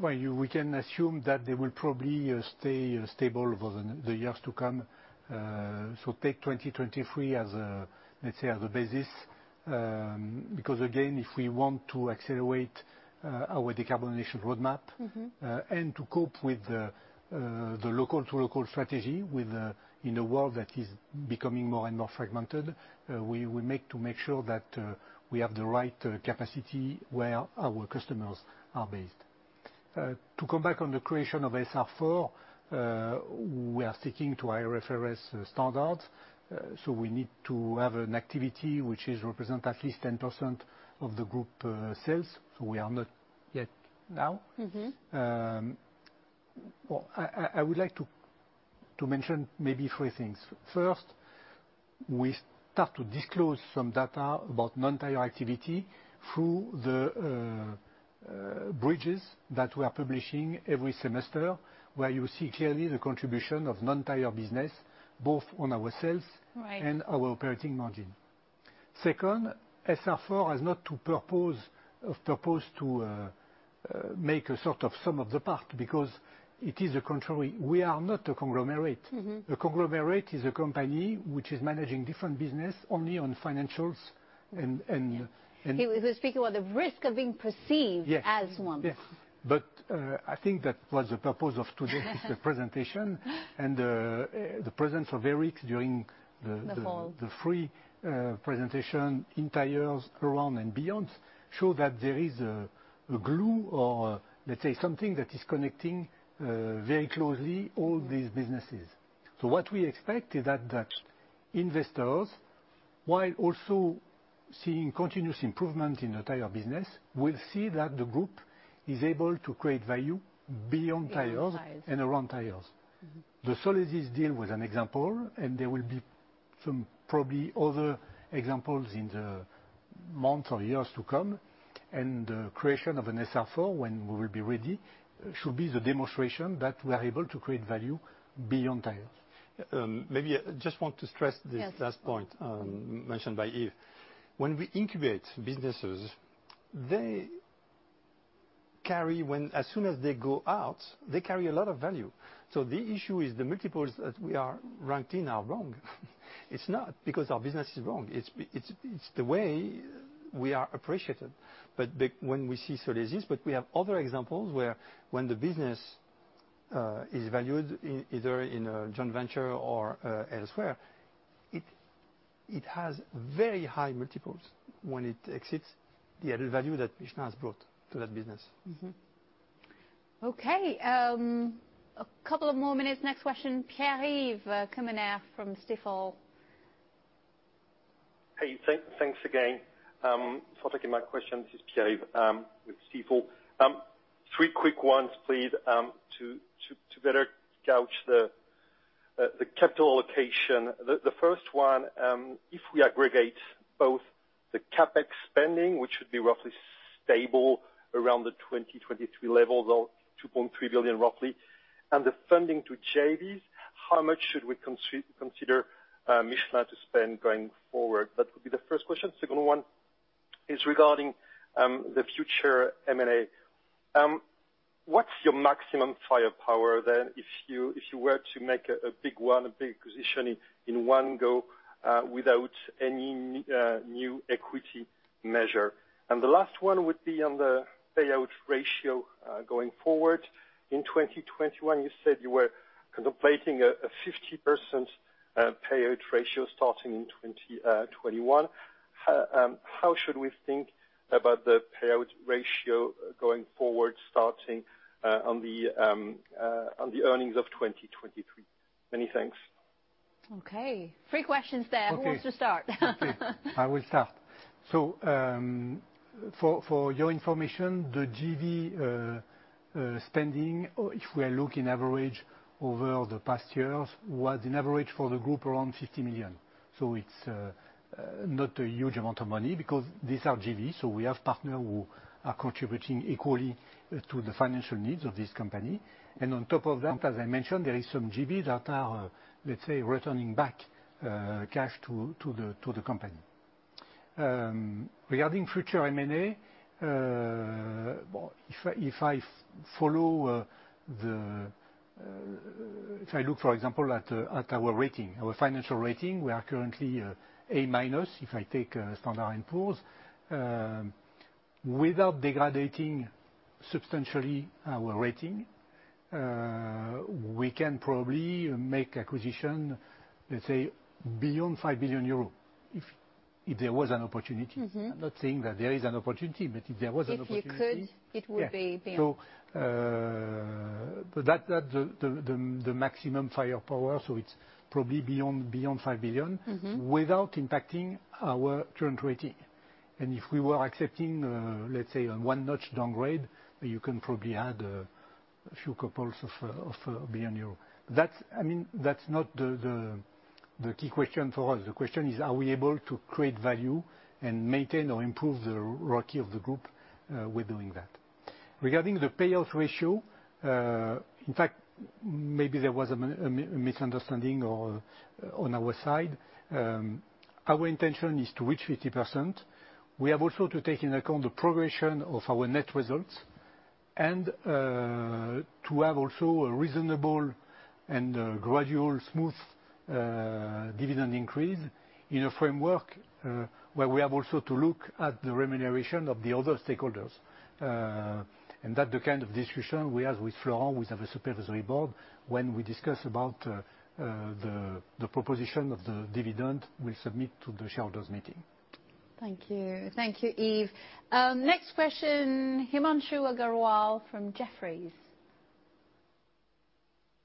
well, you, we can assume that they will probably stay stable over the years to come. Take 2023 as a, let's say, as a basis. Again, if we want to accelerate our decarbonization roadmap. Mm-hmm ...to cope with the local to local strategy with, in a world that is becoming more and more fragmented, we make to make sure that we have the right capacity where our customers are based. To come back on the creation of SR4, we are sticking to IFRS standards, so we need to have an activity which is represent at least 10% of the group sales, so we are not yet now. Mm-hmm. Well, I would like to mention maybe 3 things. First, we start to disclose some data about non-tire activity through the bridges that we are publishing every semester, where you see clearly the contribution of non-tire business, both on our sales... Right ...and our operating margin. Second, SR4 is not to propose to make a sort of sum of the part because it is a contrary. We are not a conglomerate. Mm-hmm. A conglomerate is a company which is managing different business only on financials and. He was speaking about the risk of being perceived. Yes ...as one. Yes. I think that was the purpose of today's presentation and the presence of Eric. The call. ...the free presentation in tires around and beyond show that there is a glue or, let's say, something that is connecting very closely all these businesses. What we expect is that the investors, while also seeing continuous improvement in the tire business, will see that the group is able to create value beyond tires. Beyond tires. and around tires. Mm-hmm. The Solesis deal was an example, and there will be some probably other examples in the months or years to come. The creation of an SR4, when we will be ready, should be the demonstration that we are able to create value beyond tires. maybe I just want to stress this last point, mentioned by Yves. When we incubate businesses, they Carry as soon as they go out, they carry a lot of value. The issue is the multiples that we are ranked in are wrong. It's not because our business is wrong. It's the way we are appreciated. When we see Solesis, we have other examples where when the business is valued either in a joint venture or elsewhere, it has very high multiples when it exits the added value that Michelin has brought to that business. Okay, a couple of more minutes. Next question, Pierre-Yves Quemener from Stifel. Hey, thanks again for taking my question. This is Pierre-Yves with Stifel. Three quick ones please, to better gauge the capital allocation. The first one, if we aggregate both the CapEx spending, which should be roughly stable around the 2023 levels of 2.3 billion roughly, and the funding to JVs, how much should we consider Michelin to spend going forward? That would be the first question. Second one is regarding the future M&A. What's your maximum firepower then if you were to make a big one, a big acquisition in one go, without any new equity measure? The last one would be on the payout ratio going forward. In 2021, you said you were contemplating a 50% payout ratio starting in 2021. How should we think about the payout ratio going forward, starting on the earnings of 2023? Many thanks. Okay. Three questions there. Okay. Who wants to start? Okay. I will start. For your information, the JV spending, if we look in average over the past years, was in average for the group around 50 million. It's not a huge amount of money because these are JVs, we have partners who are contributing equally to the financial needs of this company. On top of that, as I mentioned, there is some JVs that are, let's say, returning back cash to the company. Regarding future M&A, well, if I follow. If I look, for example, at our rating, our financial rating, we are currently A-, if I take Standard & Poor's. Without degrading substantially our rating, we can probably make acquisition beyond 5 billion euros if there was an opportunity. Mm-hmm. I'm not saying that there is an opportunity, but if there was an opportunity... If you could, it would be billion. Yeah. But that, the maximum firepower, so it's probably beyond 5 billion- Mm-hmm without impacting our current rating. If we were accepting, let's say, a one-notch downgrade, you can probably add a few couples of billion EUR. That's, I mean, that's not the key question for us. The question is, are we able to create value and maintain or improve the ROIC of the group with doing that? Regarding the payout ratio, in fact, maybe there was a misunderstanding on our side. Our intention is to reach 50%. We have also to take into account the progression of our net results and to have also a reasonable and gradual smooth dividend increase in a framework where we have also to look at the remuneration of the other stakeholders. That the kind of discussion we have with Florent, with the supervisory board, when we discuss about the proposition of the dividend we submit to the shareholders meeting. Thank you. Thank you, Yves. Next question, Himanshu Agarwal from Jefferies.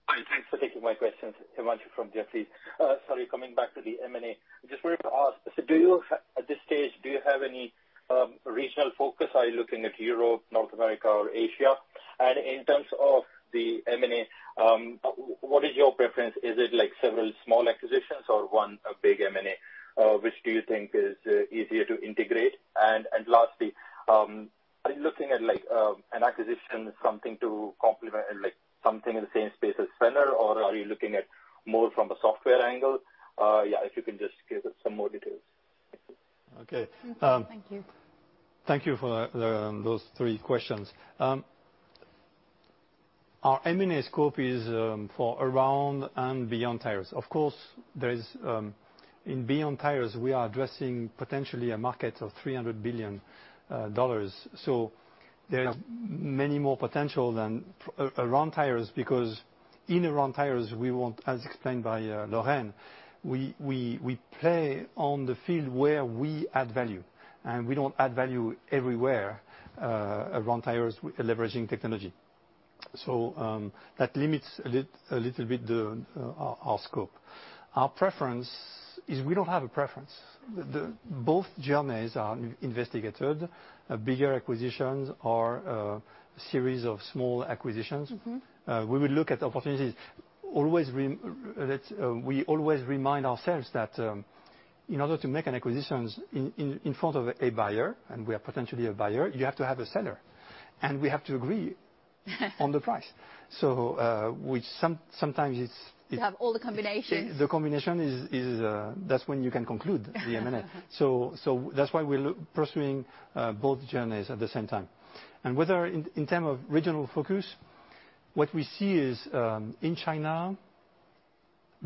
Hi. Thanks for taking my questions. Himanshu from Jefferies. Coming back to the M&A, I just wanted to ask, at this stage, do you have any regional focus? Are you looking at Europe, North America, or Asia? In terms of the M&A, what is your preference? Is it like several small acquisitions or one big M&A? Which do you think is easier to integrate? Lastly, are you looking at like an acquisition as something to complement and like something in the same space as Fenner, or are you looking at more from a software angle? Yeah, if you can just give us some more details. Thank you. Okay. Mm-hmm. Thank you. Thank you for those three questions. Our M&A scope is for around and beyond tires. Of course, there is in beyond tires, we are addressing potentially a market of $300 billion. There is many more potential than around tires, because in around tires, we want, as explained by Lorraine, we play on the field where we add value, and we don't add value everywhere around tires leveraging technology. That limits a little bit our scope. Our preference is we don't have a preference. Both journeys are investigated, bigger acquisitions or series of small acquisitions. Mm-hmm. We will look at opportunities. Always we always remind ourselves that in order to make an acquisitions in front of a buyer, and we are potentially a buyer, you have to have a seller, and we have to agree. On the price. Which sometimes. You have all the combinations. The combination is that's when you can conclude the M&A. That's why we pursuing both journeys at the same time. Whether in term of regional focus, what we see is in China,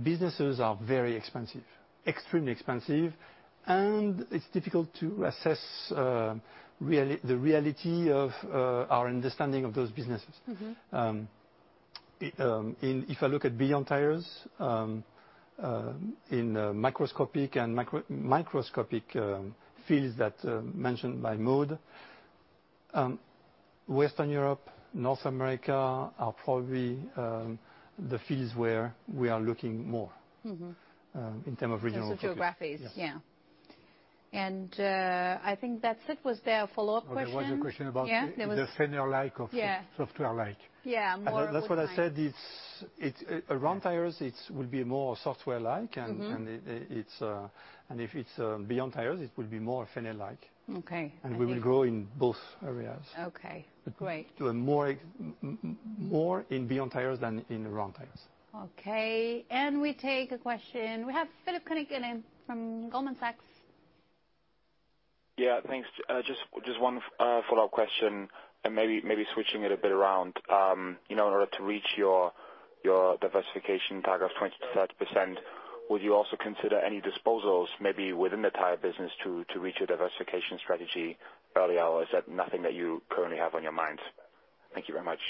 businesses are very expensive, extremely expensive, and it's difficult to assess the reality of our understanding of those businesses. Mm-hmm. If I look at beyond tires, in microscopic and microscopic fields that mentioned by Maude, Western Europe, North America are probably the fields where we are looking more. Mm-hmm ...in terms of regional focus. Those geographies. Yes. Yeah. I think that's it. Was there a follow-up question? There was a question about. Yeah, there. The Fenner-like. Yeah ...software-like. Yeah, more of that kind. That's what I said, it's around tires will be more software-like. Mm-hmm. It's and if it's beyond tires, it will be more Fenner-like. Okay. We will grow in both areas. Okay. Great. To a more in beyond tires than in around tires. Okay. We take a question. We have Philipp Koenig from Goldman Sachs. Yeah. Thanks. Just one follow-up question, and maybe switching it a bit around. You know, in order to reach your diversification target of 20%-30%, would you also consider any disposals maybe within the tire business to reach your diversification strategy early, or is that nothing that you currently have on your mind? Thank you very much.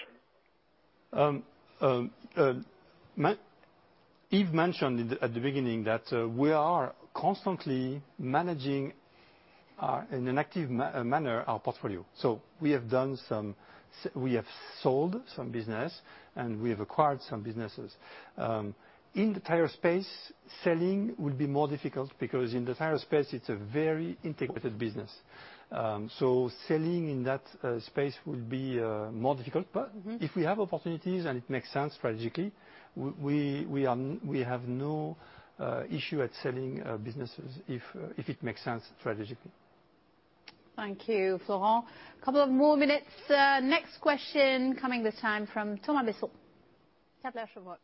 Yves mentioned at the beginning that we are constantly managing our, in an active manner, our portfolio. We have sold some business, and we have acquired some businesses. In the tire space, selling would be more difficult because in the tire space it's a very integrated business. Selling in that space would be more difficult. Mm-hmm. If we have opportunities, and it makes sense strategically, we have no issue at selling businesses if it makes sense strategically. Thank you, Florent. Couple of more minutes. Next question coming this time from Thomas Besson, Kepler Cheuvreux.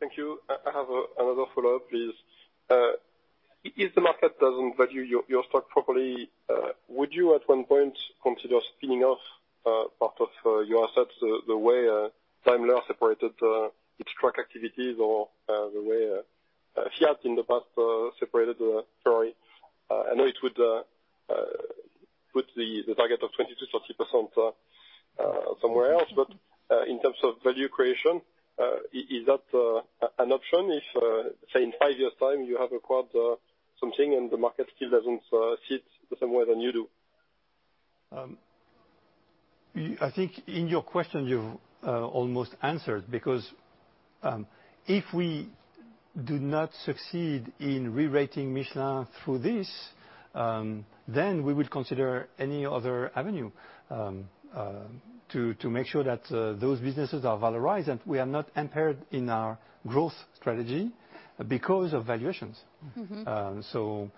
Thank you. I have another follow-up, please. If the market doesn't value your stock properly, would you at one point consider spinning off part of your assets the way Daimler separated its truck activities or the way Fiat in the past separated Ferrari? I know it would put the target of 20%-30% somewhere else. Mm-hmm. In terms of value creation, is that an option if say in five years' time you have acquired something and the market still doesn't sit the same way that you do? I think in your question you've almost answered because if we do not succeed in rerating Michelin through this, then we will consider any other avenue to make sure that those businesses are valorized, and we are not impaired in our growth strategy because of valuations. Mm-hmm.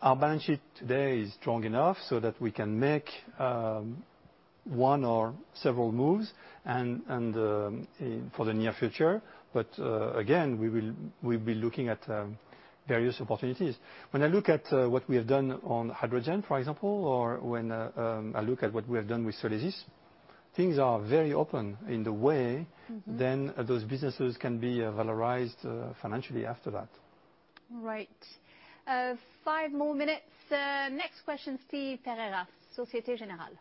Our balance sheet today is strong enough so that we can make one or several moves and for the near future. Again, we will, we'll be looking at various opportunities. When I look at what we have done on hydrogen, for example, or when I look at what we have done with Solesis, things are very open in the way. Mm-hmm Those businesses can be valorized financially after that. Right. Five more minutes. Next question, Stéphane Carreira, Société Générale.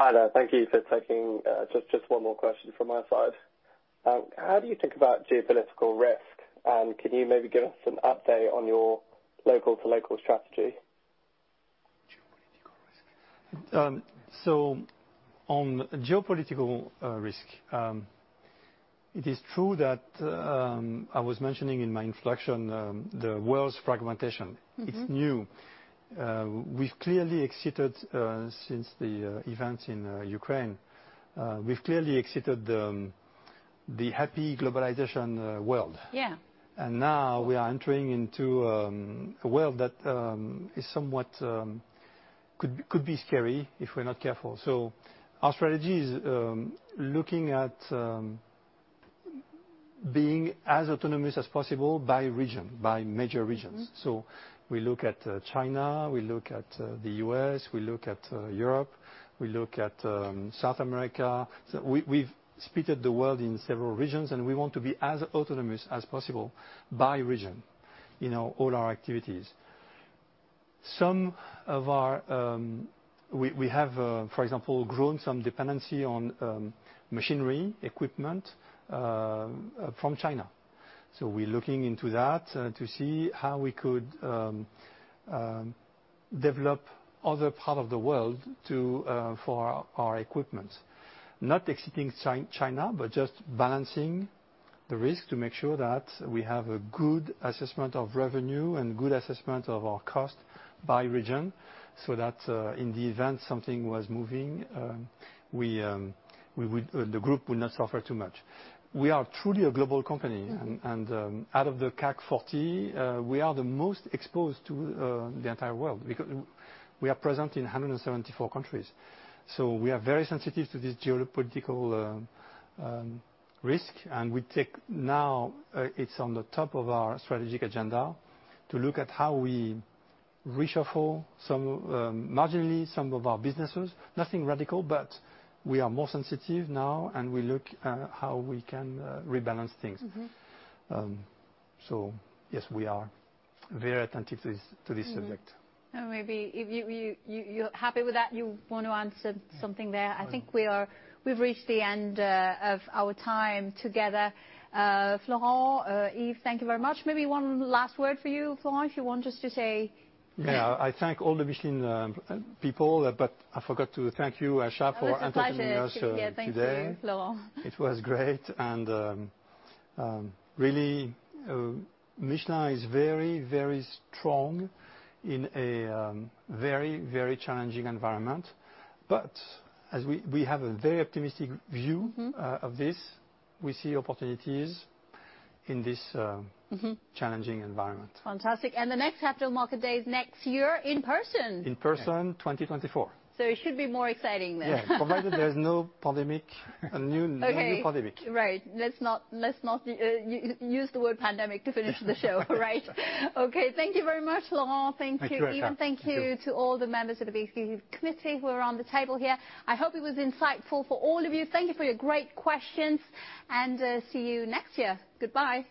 Hi there. Thank you for taking, just one more question from my side. How do you think about geopolitical risk, and can you maybe give us an update on your local-to-local strategy? Geopolitical risk. On geopolitical risk, it is true that, I was mentioning in my inflection, the world's fragmentation. Mm-hmm. It's new. We've clearly exited since the events in Ukraine. We've clearly exited the happy globalization world. Yeah. Now we are entering into a world that is somewhat, could be scary if we're not careful. Our strategy is looking at being as autonomous as possible by region, by major regions. Mm-hmm. We look at China, we look at the U.S., we look at Europe, we look at South America. We've splitted the world in several regions, and we want to be as autonomous as possible by region in all our activities. Some of our. We have, for example, grown some dependency on machinery, equipment from China. We're looking into that to see how we could develop other part of the world to for our equipment. Not exiting China, but just balancing the risk to make sure that we have a good assessment of revenue and good assessment of our cost by region, so that in the event something was moving, we would. The group would not suffer too much. We are truly a global company. Mm-hmm. Out of the CAC 40, we are the most exposed to the entire world because we are present in 174 countries. We are very sensitive to this geopolitical risk. We take now, it's on the top of our strategic agenda to look at how we reshuffle some marginally some of our businesses. Nothing radical, but we are more sensitive now, and we look at how we can rebalance things. Mm-hmm. Yes, we are very attentive to this, to this subject. Mm-hmm. Maybe if you're happy with that, you want to answer something there. I think we are, we've reached the end of our time together. Florent, Yves, thank you very much. Maybe one last word for you, Florent, if you want just to say- Yeah. I thank all the Michelin people, but I forgot to thank you, Asha. Oh, it's a pleasure ...for entertaining us, today. Yeah, thank you, Florent. It was great and, really, Michelin is very, very strong in a, very, very challenging environment. As we have a very optimistic view... Mm-hmm ...of this. We see opportunities in this. Mm-hmm ...challenging environment. Fantastic. The next Capital Markets Day is next year in person. In person, 2024. It should be more exciting then. Provided there's no pandemic. Okay ...a new pandemic. Right. Let's not use the word pandemic to finish the show, right? Okay. Thank you very much, Florent. Thank you, Yves. Thank you, Asha. Thank you. Thank you to all the members of the executive committee who are on the table here. I hope it was insightful for all of you. Thank you for your great questions, and see you next year. Goodbye.